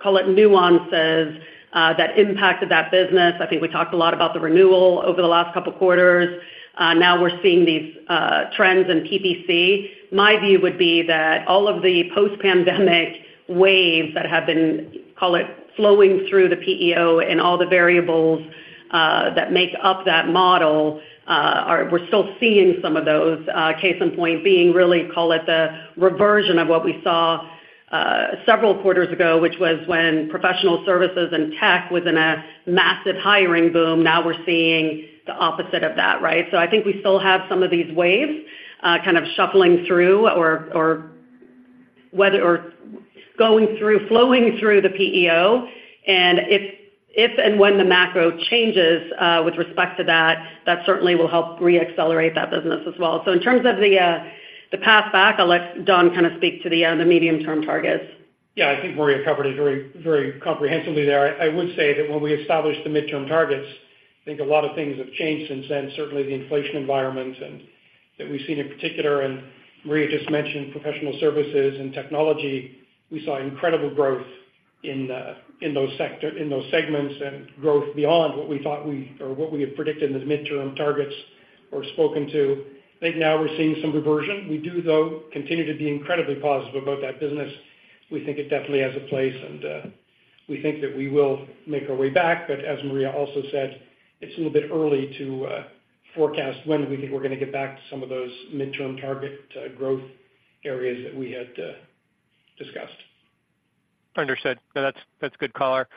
call it nuances, that impacted that business. I think we talked a lot about the renewal over the last couple of quarters. Now we're seeing these trends in PPC. My view would be that all of the post-pandemic waves that have been, call it, flowing through the PEO and all the variables that make up that model are. We're still seeing some of those, case in point being really, call it, the reversion of what we saw several quarters ago, which was when professional services and tech was in a massive hiring boom. Now we're seeing the opposite of that, right? So I think we still have some of these waves kind of shuffling through, going through, flowing through the PEO. And if and when the macro changes with respect to that, that certainly will help reaccelerate that business as well. So in terms of the path back, I'll let Don kind of speak to the medium-term targets. Yeah. I think Maria covered it very, very comprehensively there. I would say that when we established the midterm targets, I think a lot of things have changed since then, certainly the inflation environment, and that we've seen in particular, and Maria just mentioned professional services and technology. We saw incredible growth in those segments and growth beyond what we thought we or what we had predicted in the midterm targets or spoken to. I think now we're seeing some reversion. We do, though, continue to be incredibly positive about that business. We think it definitely has a place, and we think that we will make our way back. But as Maria also said, it's a little bit early to forecast when we think we're going to get back to some of those midterm target growth areas that we had discussed. Understood. No, that's, that's good color.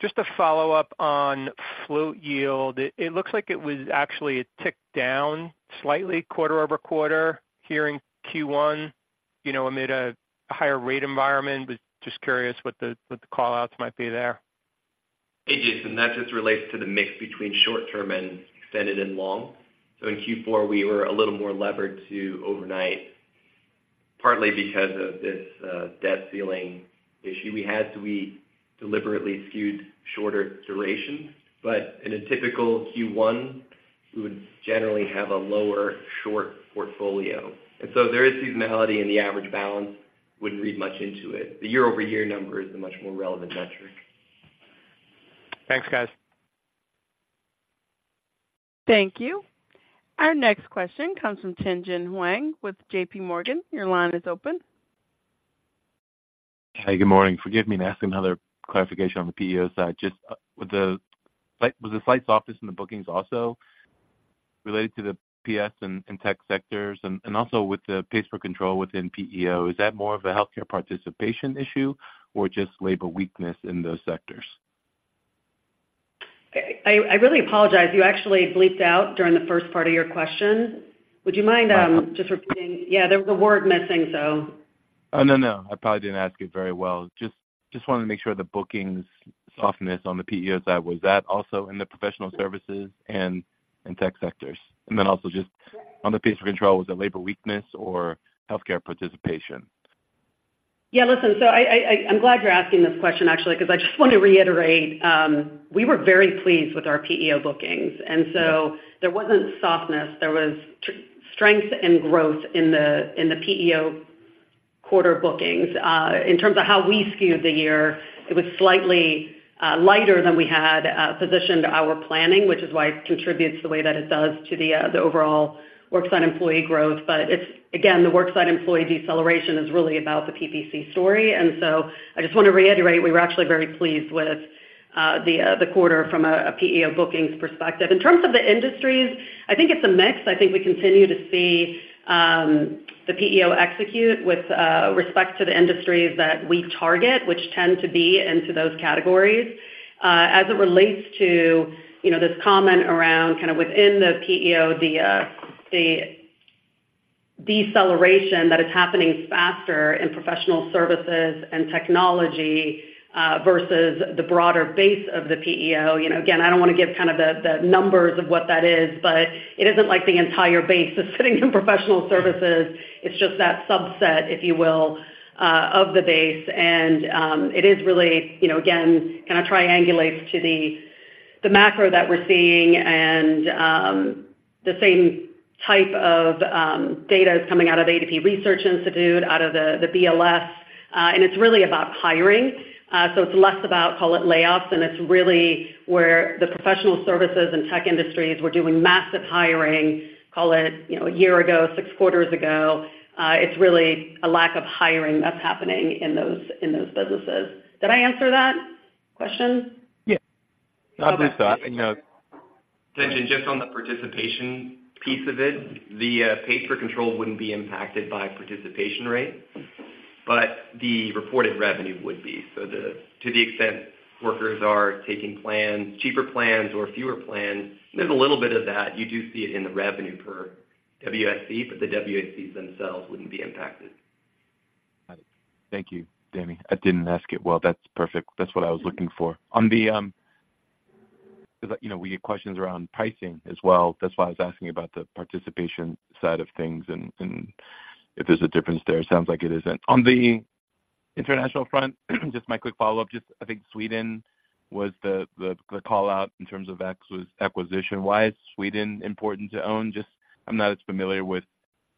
Just a follow-up on float yield. It looks like it was actually it ticked down slightly quarter-over-quarter here in Q1, you know, amid a higher rate environment. Was just curious what the, what the call-outs might be there? Hey, Jason, that just relates to the mix between short term and extended and long. So in Q4, we were a little more levered to overnight, partly because of this debt ceiling issue we had. So we deliberately skewed shorter duration, but in a typical Q1, we would generally have a lower short portfolio. And so there is seasonality in the average balance. Wouldn't read much into it. The year-over-year number is a much more relevant metric. Thanks, guys. Thank you. Our next question comes from Tien-tsin Huang with JP Morgan. Your line is open. Hey, good morning. Forgive me asking another clarification on the PEO side, just with the slight softness in the bookings also related to the PS and tech sectors? And also with the Pays Per Control within PEO, is that more of a healthcare participation issue or just labor weakness in those sectors? I really apologize. You actually bleeped out during the first part of your question. Would you mind just repeating? Yeah, there were word missing, so... Oh, no, no. I probably didn't ask it very well. Just, just wanted to make sure the bookings softness on the PEO side, was that also in the professional services and in tech sectors? And then also just on the Pays Per Control, was it labor weakness or healthcare participation? Yeah. Listen, so I'm glad you're asking this question, actually, because I just want to reiterate, we were very pleased with our PEO bookings, and so there wasn't softness. There was strength and growth in the PEO quarter bookings. In terms of how we skewed the year, it was slightly lighter than we had positioned our planning, which is why it contributes the way that it does to the overall worksite employee growth. But it's, again, the worksite employee deceleration is really about the PPC story. And so I just want to reiterate, we were actually very pleased with the quarter from a PEO bookings perspective. In terms of the industries, I think it's a mix. I think we continue to see, the PEO execute with respect to the industries that we target, which tend to be into those categories. As it relates to, you know, this comment around kind of within the PEO, the deceleration that is happening faster in professional services and technology, versus the broader base of the PEO. You know, again, I don't want to give kind of the numbers of what that is, but it isn't like the entire base is sitting in professional services. It's just that subset, if you will, of the base. And, it is really, you know, again, kind of triangulates to the macro that we're seeing, and, the same type of data is coming out of ADP Research Institute, out of the BLS, and it's really about hiring. So it's less about, call it layoffs, and it's really where the professional services and tech industries were doing massive hiring, call it, you know, a year ago, six quarters ago. It's really a lack of hiring that's happening in those, in those businesses. Did I answer that question? Yes. I believe so. I know- Just on the participation piece of it, the pay for control wouldn't be impacted by participation rate, but the reported revenue would be. So to the extent workers are taking plans, cheaper plans or fewer plans, there's a little bit of that. You do see it in the revenue per WSE, but the WSEs themselves wouldn't be impacted. Got it. Thank you, Don. I didn't ask it. Well, that's perfect. That's what I was looking for. On the, because, you know, we get questions around pricing as well. That's why I was asking about the participation side of things and, and if there's a difference there. It sounds like it isn't. On the international front, just my quick follow-up. Just I think Sweden was the, the, the call-out in terms of ex-US acquisition. Why is Sweden important to own? Just I'm not as familiar with,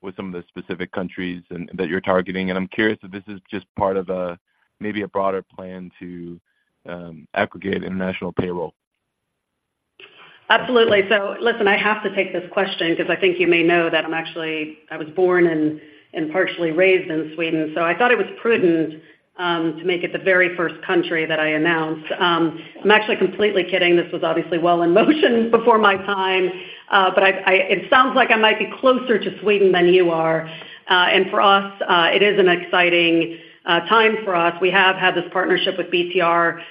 with some of the specific countries and- that you're targeting, and I'm curious if this is just part of a, maybe a broader plan to, aggregate international payroll. Absolutely. So listen, I have to take this question because I think you may know that I'm actually—I was born and partially raised in Sweden, so I thought it was prudent to make it the very first country that I announced. I'm actually completely kidding. This was obviously well in motion before my time, but it sounds like I might be closer to Sweden than you are. And for us, it is an exciting time for us. We have had this partnership with BTR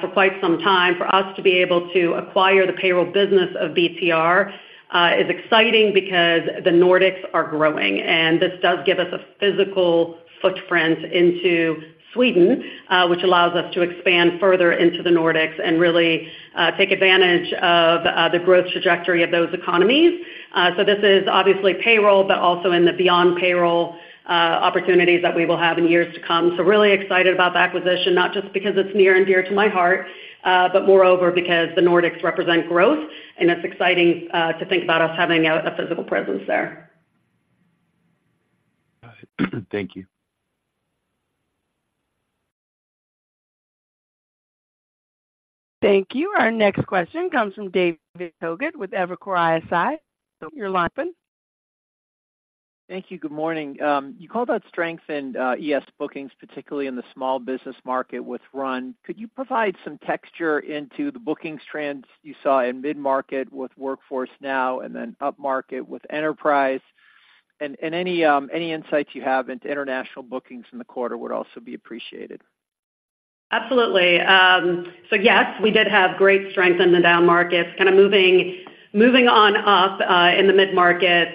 for quite some time. For us to be able to acquire the payroll business of BTR, is exciting because the Nordics are growing, and this does give us a physical footprint into Sweden, which allows us to expand further into the Nordics and really, take advantage of, the growth trajectory of those economies. So this is obviously payroll, but also in the beyond payroll, opportunities that we will have in years to come. So really excited about the acquisition, not just because it's near and dear to my heart, but moreover because the Nordics represent growth, and it's exciting, to think about us having a physical presence there. Got it. Thank you. Thank you. Our next question comes from David Togut with Evercore ISI. Togut, your line open. Thank you. Good morning. You called out strengthened ES bookings, particularly in the small business market with RUN. Could you provide some texture into the bookings trends you saw in mid-market with Workforce Now and then upmarket with Enterprise? Any insights you have into international bookings in the quarter would also be appreciated. Absolutely. So yes, we did have great strength in the down markets, kind of moving, moving on up, in the mid-market.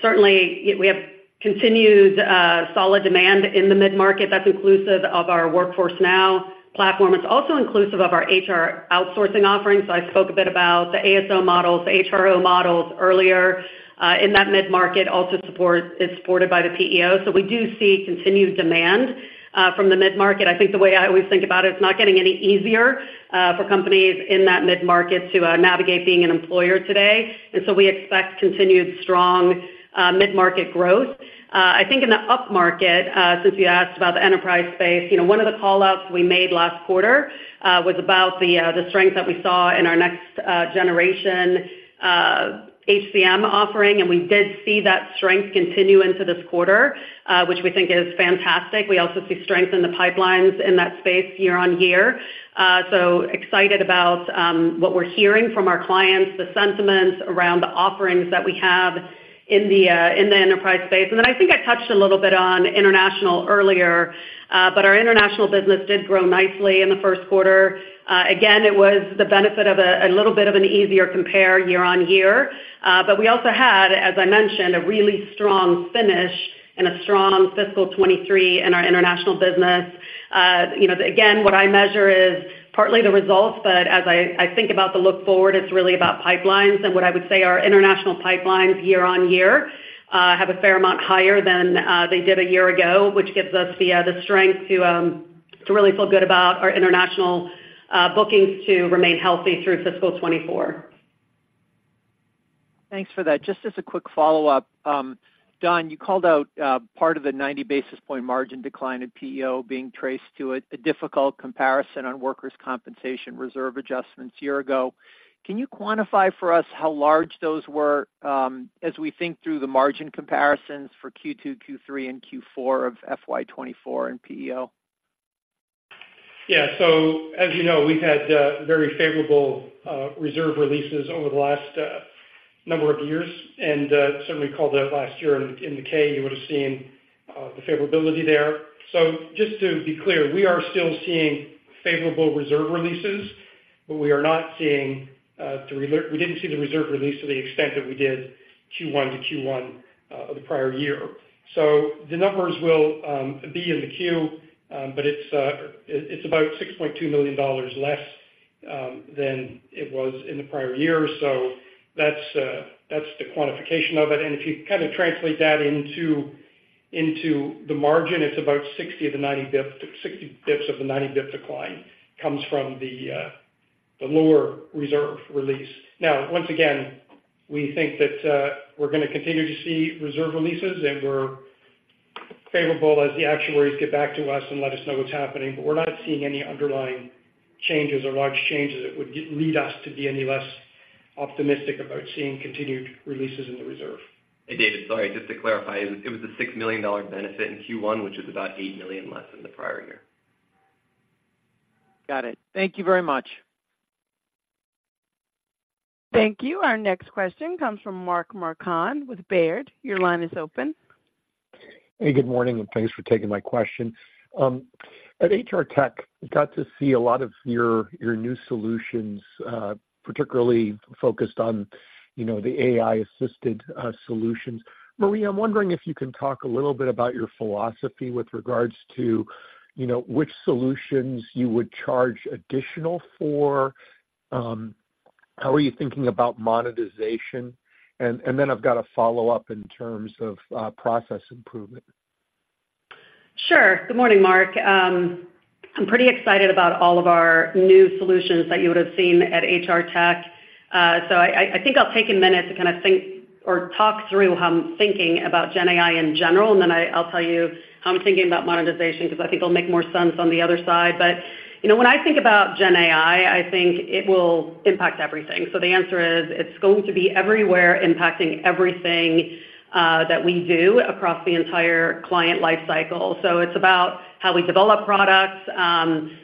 Certainly, we have continued solid demand in the mid-market that's inclusive of our Workforce Now platform. It's also inclusive of our HR outsourcing offerings. So I spoke a bit about the ASO models, the HRO models earlier, in that mid-market, also is supported by the PEO. So we do see continued demand from the mid-market. I think the way I always think about it, it's not getting any easier for companies in that mid-market to navigate being an employer today, and so we expect continued strong mid-market growth. I think in the upmarket, since you asked about the enterprise space, you know, one of the callouts we made last quarter was about the strength that we saw in our next generation HCM offering, and we did see that strength continue into this quarter, which we think is fantastic. We also see strength in the pipelines in that space year-on-year. So excited about what we're hearing from our clients, the sentiments around the offerings that we have in the enterprise space. And then I think I touched a little bit on international earlier, but our international business did grow nicely in the first quarter. Again, it was the benefit of a little bit of an easier compare year-on-year. But we also had, as I mentioned, a really strong finish and a strong fiscal 2023 in our international business. You know, again, what I measure is partly the results, but as I, I think about the look forward, it's really about pipelines. And what I would say, our international pipelines year-over-year have a fair amount higher than they did a year ago, which gives us the strength to really feel good about our international bookings to remain healthy through fiscal 2024. Thanks for that. Just as a quick follow-up, Don, you called out part of the 90 basis points margin decline in PEO being traced to a difficult comparison on workers' compensation reserve adjustments a year ago. Can you quantify for us how large those were, as we think through the margin comparisons for Q2, Q3, and Q4 of FY 2024 in PEO? Yeah. So as you know, we've had very favorable reserve releases over the last number of years, and certainly called out last year in the K, you would have seen the favorability there. So just to be clear, we are still seeing favorable reserve releases, but we didn't see the reserve release to the extent that we did Q1 to Q1 of the prior year. So the numbers will be in the Q, but it's about $6.2 million less than it was in the prior year. So that's the quantification of it. And if you kind of translate that into...... into the margin, it's about 60 of the 90 bips, 60 bips of the 90 bip decline comes from the, the lower reserve release. Now, once again, we think that, we're gonna continue to see reserve releases, and we're favorable as the actuaries get back to us and let us know what's happening. But we're not seeing any underlying changes or large changes that would lead us to be any less optimistic about seeing continued releases in the reserve. Hey, David, sorry, just to clarify, it was a $6 million benefit in Q1, which is about $8 million less than the prior year. Got it. Thank you very much. Thank you. Our next question comes from Mark Marcon with Baird. Your line is open. Hey, good morning, and thanks for taking my question. At HR Tech, got to see a lot of your new solutions, particularly focused on, you know, the AI-assisted solutions. Maria, I'm wondering if you can talk a little bit about your philosophy with regards to, you know, which solutions you would charge additional for, how are you thinking about monetization? And then I've got a follow-up in terms of, process improvement. Sure. Good morning, Mark. I'm pretty excited about all of our new solutions that you would have seen at HR Tech. So I think I'll take a minute to kind of think or talk through how I'm thinking about Gen AI in general, and then I'll tell you how I'm thinking about monetization, because I think it'll make more sense on the other side. But, you know, when I think about Gen AI, I think it will impact everything. So the answer is, it's going to be everywhere, impacting everything that we do across the entire client life cycle. So it's about how we develop products.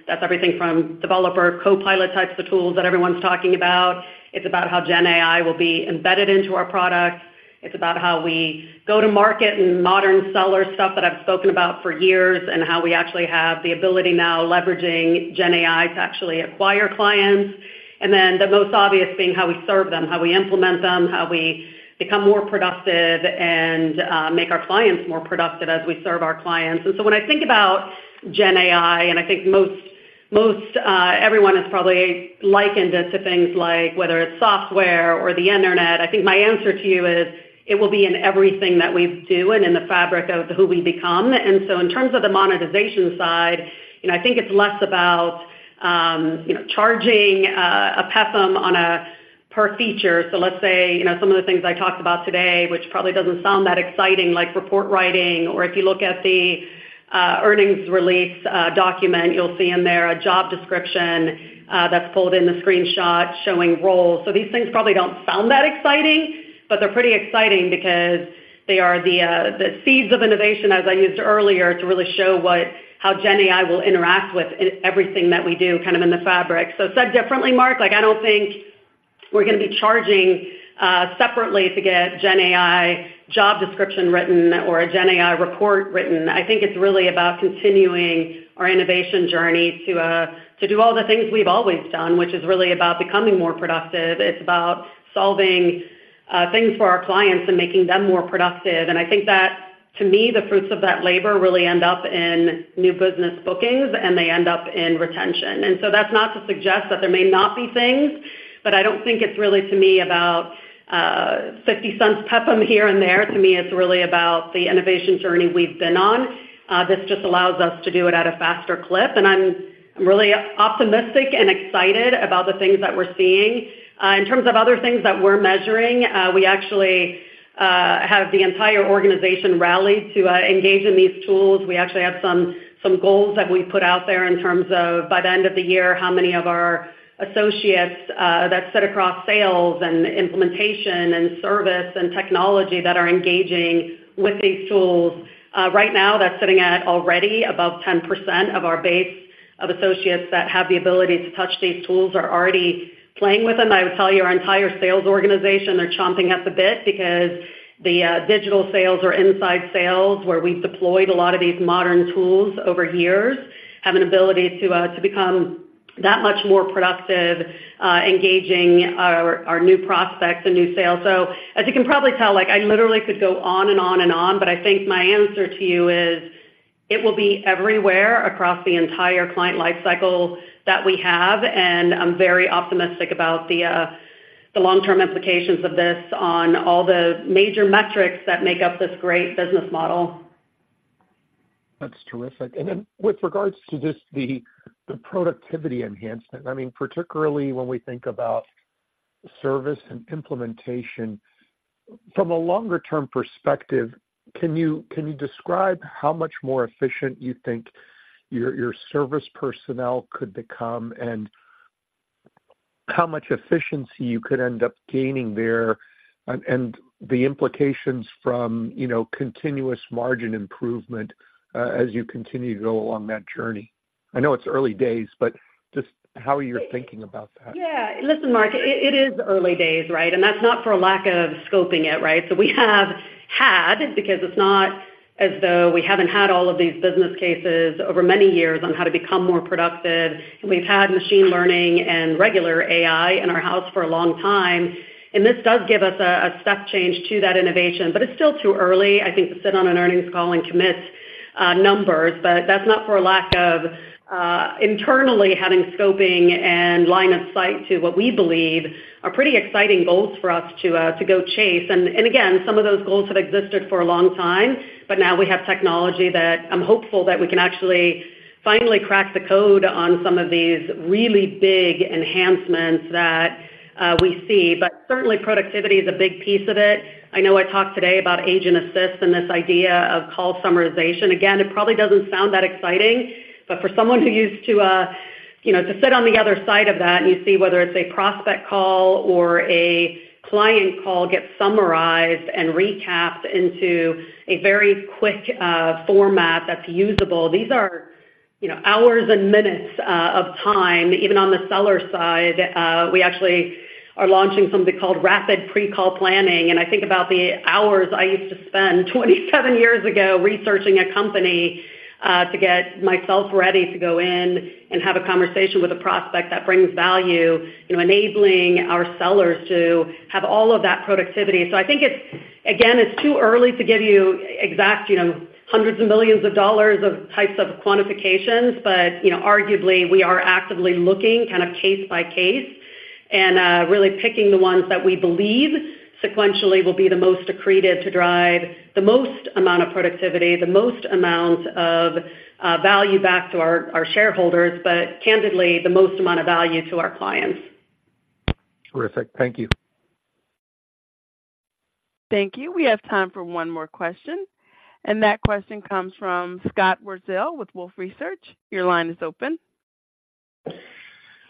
That's everything from developer, co-pilot types of tools that everyone's talking about. It's about how Gen AI will be embedded into our products. It's about how we go to market and modern seller stuff that I've spoken about for years, and how we actually have the ability now, leveraging GenAI, to actually acquire clients. And then the most obvious being how we serve them, how we implement them, how we become more productive and make our clients more productive as we serve our clients. And so when I think about GenAI, and I think most everyone has probably likened it to things like whether it's software or the internet, I think my answer to you is it will be in everything that we do and in the fabric of who we become. And so in terms of the monetization side, you know, I think it's less about, you know, charging a PEPM on a per feature. So let's say, you know, some of the things I talked about today, which probably doesn't sound that exciting, like report writing, or if you look at the earnings release document, you'll see in there a job description that's pulled in the screenshot showing roles. So these things probably don't sound that exciting, but they're pretty exciting because they are the seeds of innovation, as I used earlier, to really show what how Gen AI will interact with everything that we do, kind of in the fabric. So said differently, Mark, like, I don't think we're gonna be charging separately to get Gen AI job description written or a Gen AI report written. I think it's really about continuing our innovation journey to do all the things we've always done, which is really about becoming more productive. It's about solving things for our clients and making them more productive. I think that, to me, the fruits of that labor really end up in new business bookings, and they end up in retention. So that's not to suggest that there may not be things, but I don't think it's really, to me, about $0.60 PEPM here and there. To me, it's really about the innovation journey we've been on. This just allows us to do it at a faster clip, and I'm really optimistic and excited about the things that we're seeing. In terms of other things that we're measuring, we actually have the entire organization rallied to engage in these tools. We actually have some goals that we've put out there in terms of, by the end of the year, how many of our associates, that's set across sales and implementation and service and technology, that are engaging with these tools. Right now, that's sitting at already above 10% of our base of associates that have the ability to touch these tools, are already playing with them. I would tell you, our entire sales organization, they're chomping at the bit because the digital sales or inside sales, where we've deployed a lot of these modern tools over years, have an ability to become that much more productive, engaging our new prospects and new sales. So as you can probably tell, like, I literally could go on and on and on, but I think my answer to you is, it will be everywhere across the entire client life cycle that we have, and I'm very optimistic about the long-term implications of this on all the major metrics that make up this great business model. That's terrific. And then with regards to just the, the productivity enhancement, I mean, particularly when we think about service and implementation, from a longer-term perspective, can you, can you describe how much more efficient you think your, your service personnel could become, and how much efficiency you could end up gaining there, and, and the implications from, you know, continuous margin improvement, as you continue to go along that journey? I know it's early days, but just how are you thinking about that? Yeah. Listen, Mark, it is early days, right? And that's not for lack of scoping it, right? So we have had, because it's not as though we haven't had all of these business cases over many years on how to become more productive, and we've had machine learning and regular AI in our house for a long time, and this does give us a step change to that innovation. But it's still too early, I think, to sit on an earnings call and commit numbers, but that's not for lack of internally having scoping and line of sight to what we believe are pretty exciting goals for us to go chase. and again, some of those goals have existed for a long time, but now we have technology that I'm hopeful that we can actually finally crack the code on some of these really big enhancements that we see. But certainly, productivity is a big piece of it. I know I talked today about Agent Assist and this idea of call summarization. Again, it probably doesn't sound that exciting, but for someone who used to you know to sit on the other side of that, and you see whether it's a prospect call or a client call, get summarized and recapped into a very quick format that's usable. These are, you know, hours and minutes of time. Even on the seller side, we actually are launching something called Rapid Pre-Call Planning, and I think about the hours I used to spend 27 years ago researching a company to get myself ready to go in and have a conversation with a prospect that brings value, you know, enabling our sellers to have all of that productivity. So I think it's again, it's too early to give you exact, you know, hundreds of millions of types of quantifications, but, you know, arguably, we are actively looking kind of case by case and really picking the ones that we believe sequentially will be the most accretive to drive the most amount of productivity, the most amount of value back to our, our shareholders, but candidly, the most amount of value to our clients. Terrific. Thank you. Thank you. We have time for one more question, and that question comes from Scott Wurtzel with Wolfe Research. Your line is open.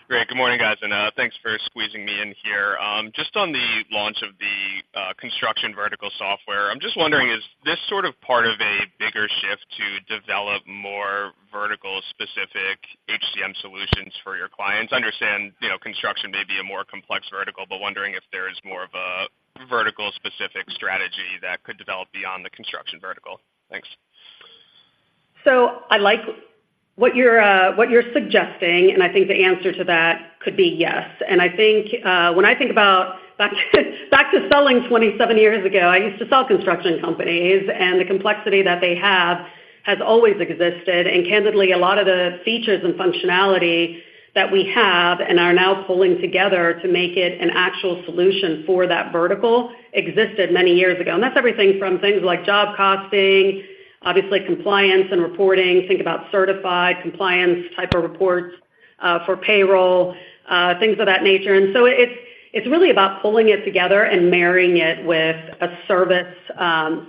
Great. Good morning, guys, and thanks for squeezing me in here. Just on the launch of the construction vertical software, I'm just wondering, is this sort of part of a bigger shift to develop more vertical-specific HCM solutions for your clients? I understand, you know, construction may be a more complex vertical, but wondering if there is more of a vertical-specific strategy that could develop beyond the construction vertical. Thanks. So I like what you're suggesting, and I think the answer to that could be yes. And I think when I think back to selling 27 years ago, I used to sell construction companies, and the complexity that they have has always existed. And candidly, a lot of the features and functionality that we have and are now pulling together to make it an actual solution for that vertical existed many years ago. And that's everything from things like job costing, obviously compliance and reporting. Think about certified compliance type of reports for payroll, things of that nature. And so it's really about pulling it together and marrying it with a service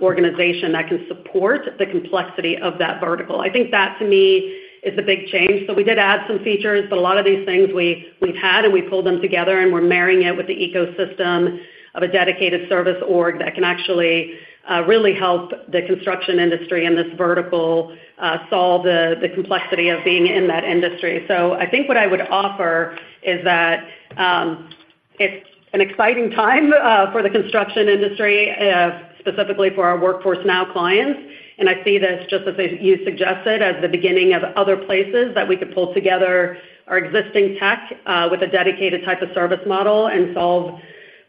organization that can support the complexity of that vertical. I think that, to me, is a big change. So we did add some features, but a lot of these things we, we've had, and we pulled them together, and we're marrying it with the ecosystem of a dedicated service org that can actually really help the construction industry and this vertical solve the complexity of being in that industry. So I think what I would offer is that it's an exciting time for the construction industry specifically for our Workforce Now clients. And I see this just as you suggested as the beginning of other places that we could pull together our existing tech with a dedicated type of service model and solve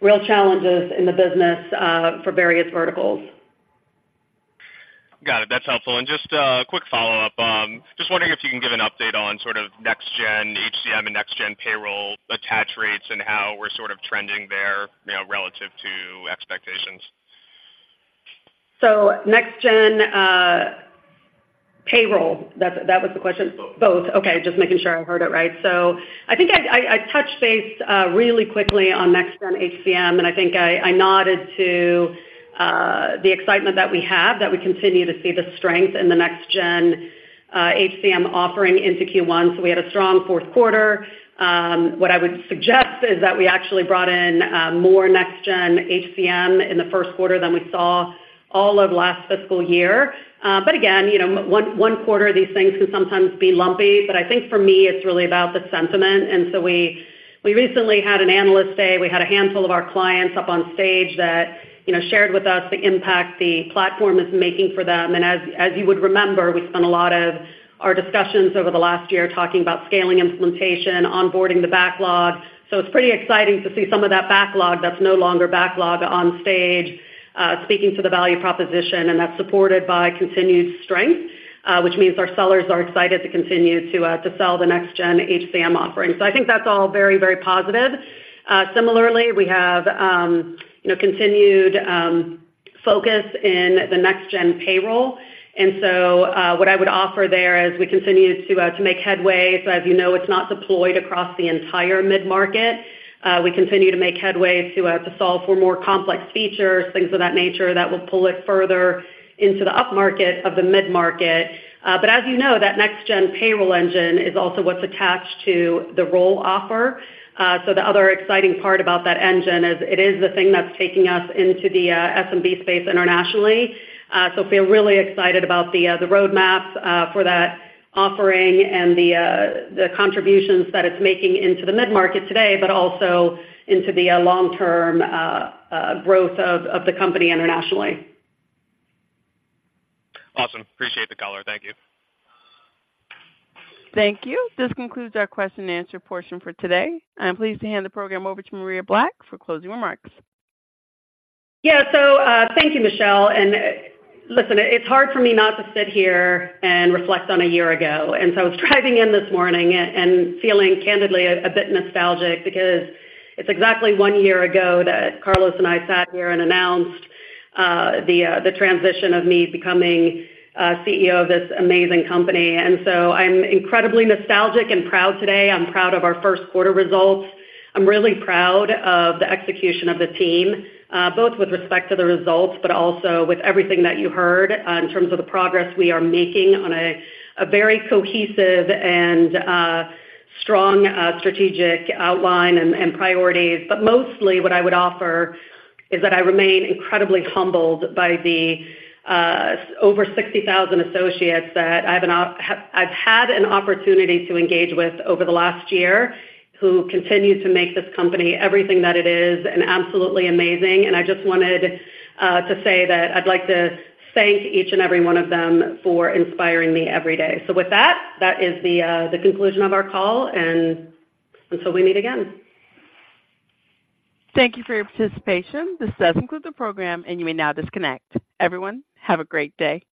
real challenges in the business for various verticals. Got it. That's helpful. Just a quick follow-up. Just wondering if you can give an update on sort of next gen HCM and next gen payroll attach rates and how we're sort of trending there, you know, relative to expectations. So next gen, payroll, that, that was the question? Both. Both. Okay, just making sure I heard it right. So I think I touched base really quickly on Next Gen HCM, and I think I nodded to the excitement that we have, that we continue to see the strength in the Next Gen HCM offering into Q1. So we had a strong fourth quarter. What I would suggest is that we actually brought in more Next Gen Payroll in the first quarter than we saw all of last fiscal year. But again, you know, one quarter, these things can sometimes be lumpy, but I think for me, it's really about the sentiment. And so we recently had an Analyst Day. We had a handful of our clients up on stage that, you know, shared with us the impact the platform is making for them. As you would remember, we spent a lot of our discussions over the last year talking about scaling implementation, onboarding the backlog. So it's pretty exciting to see some of that backlog that's no longer backlog on stage, speaking to the value proposition, and that's supported by continued strength, which means our sellers are excited to continue to sell the Next Gen HCM offering. So I think that's all very, very positive. Similarly, we have, you know, continued focus in the Next Gen payroll. And so, what I would offer there is, we continue to make headway. So as you know, it's not deployed across the entire mid-market. We continue to make headway to solve for more complex features, things of that nature, that will pull it further into the upmarket of the mid-market. But as you know, that Next Gen payroll engine is also what's attached to the Roll offering. So the other exciting part about that engine is it is the thing that's taking us into the SMB space internationally. So we're really excited about the roadmap for that offering and the contributions that it's making into the mid-market today, but also into the long-term growth of the company internationally. Awesome. Appreciate the color. Thank you. Thank you. This concludes our question and answer portion for today. I'm pleased to hand the program over to Maria Black for closing remarks. Yeah, so, thank you, Michelle. And, listen, it's hard for me not to sit here and reflect on a year ago. And so I was driving in this morning and feeling, candidly, a bit nostalgic because it's exactly one year ago that Carlos and I sat here and announced the transition of me becoming CEO of this amazing company. And so I'm incredibly nostalgic and proud today. I'm proud of our first quarter results. I'm really proud of the execution of the team, both with respect to the results, but also with everything that you heard in terms of the progress we are making on a very cohesive and strong strategic outline and priorities. But mostly what I would offer is that I remain incredibly humbled by the over 60,000 associates that I've had an opportunity to engage with over the last year, who continue to make this company everything that it is and absolutely amazing. And I just wanted to say that I'd like to thank each and every one of them for inspiring me every day. So with that, that is the conclusion of our call, and until we meet again. Thank you for your participation. This does conclude the program, and you may now disconnect. Everyone, have a great day.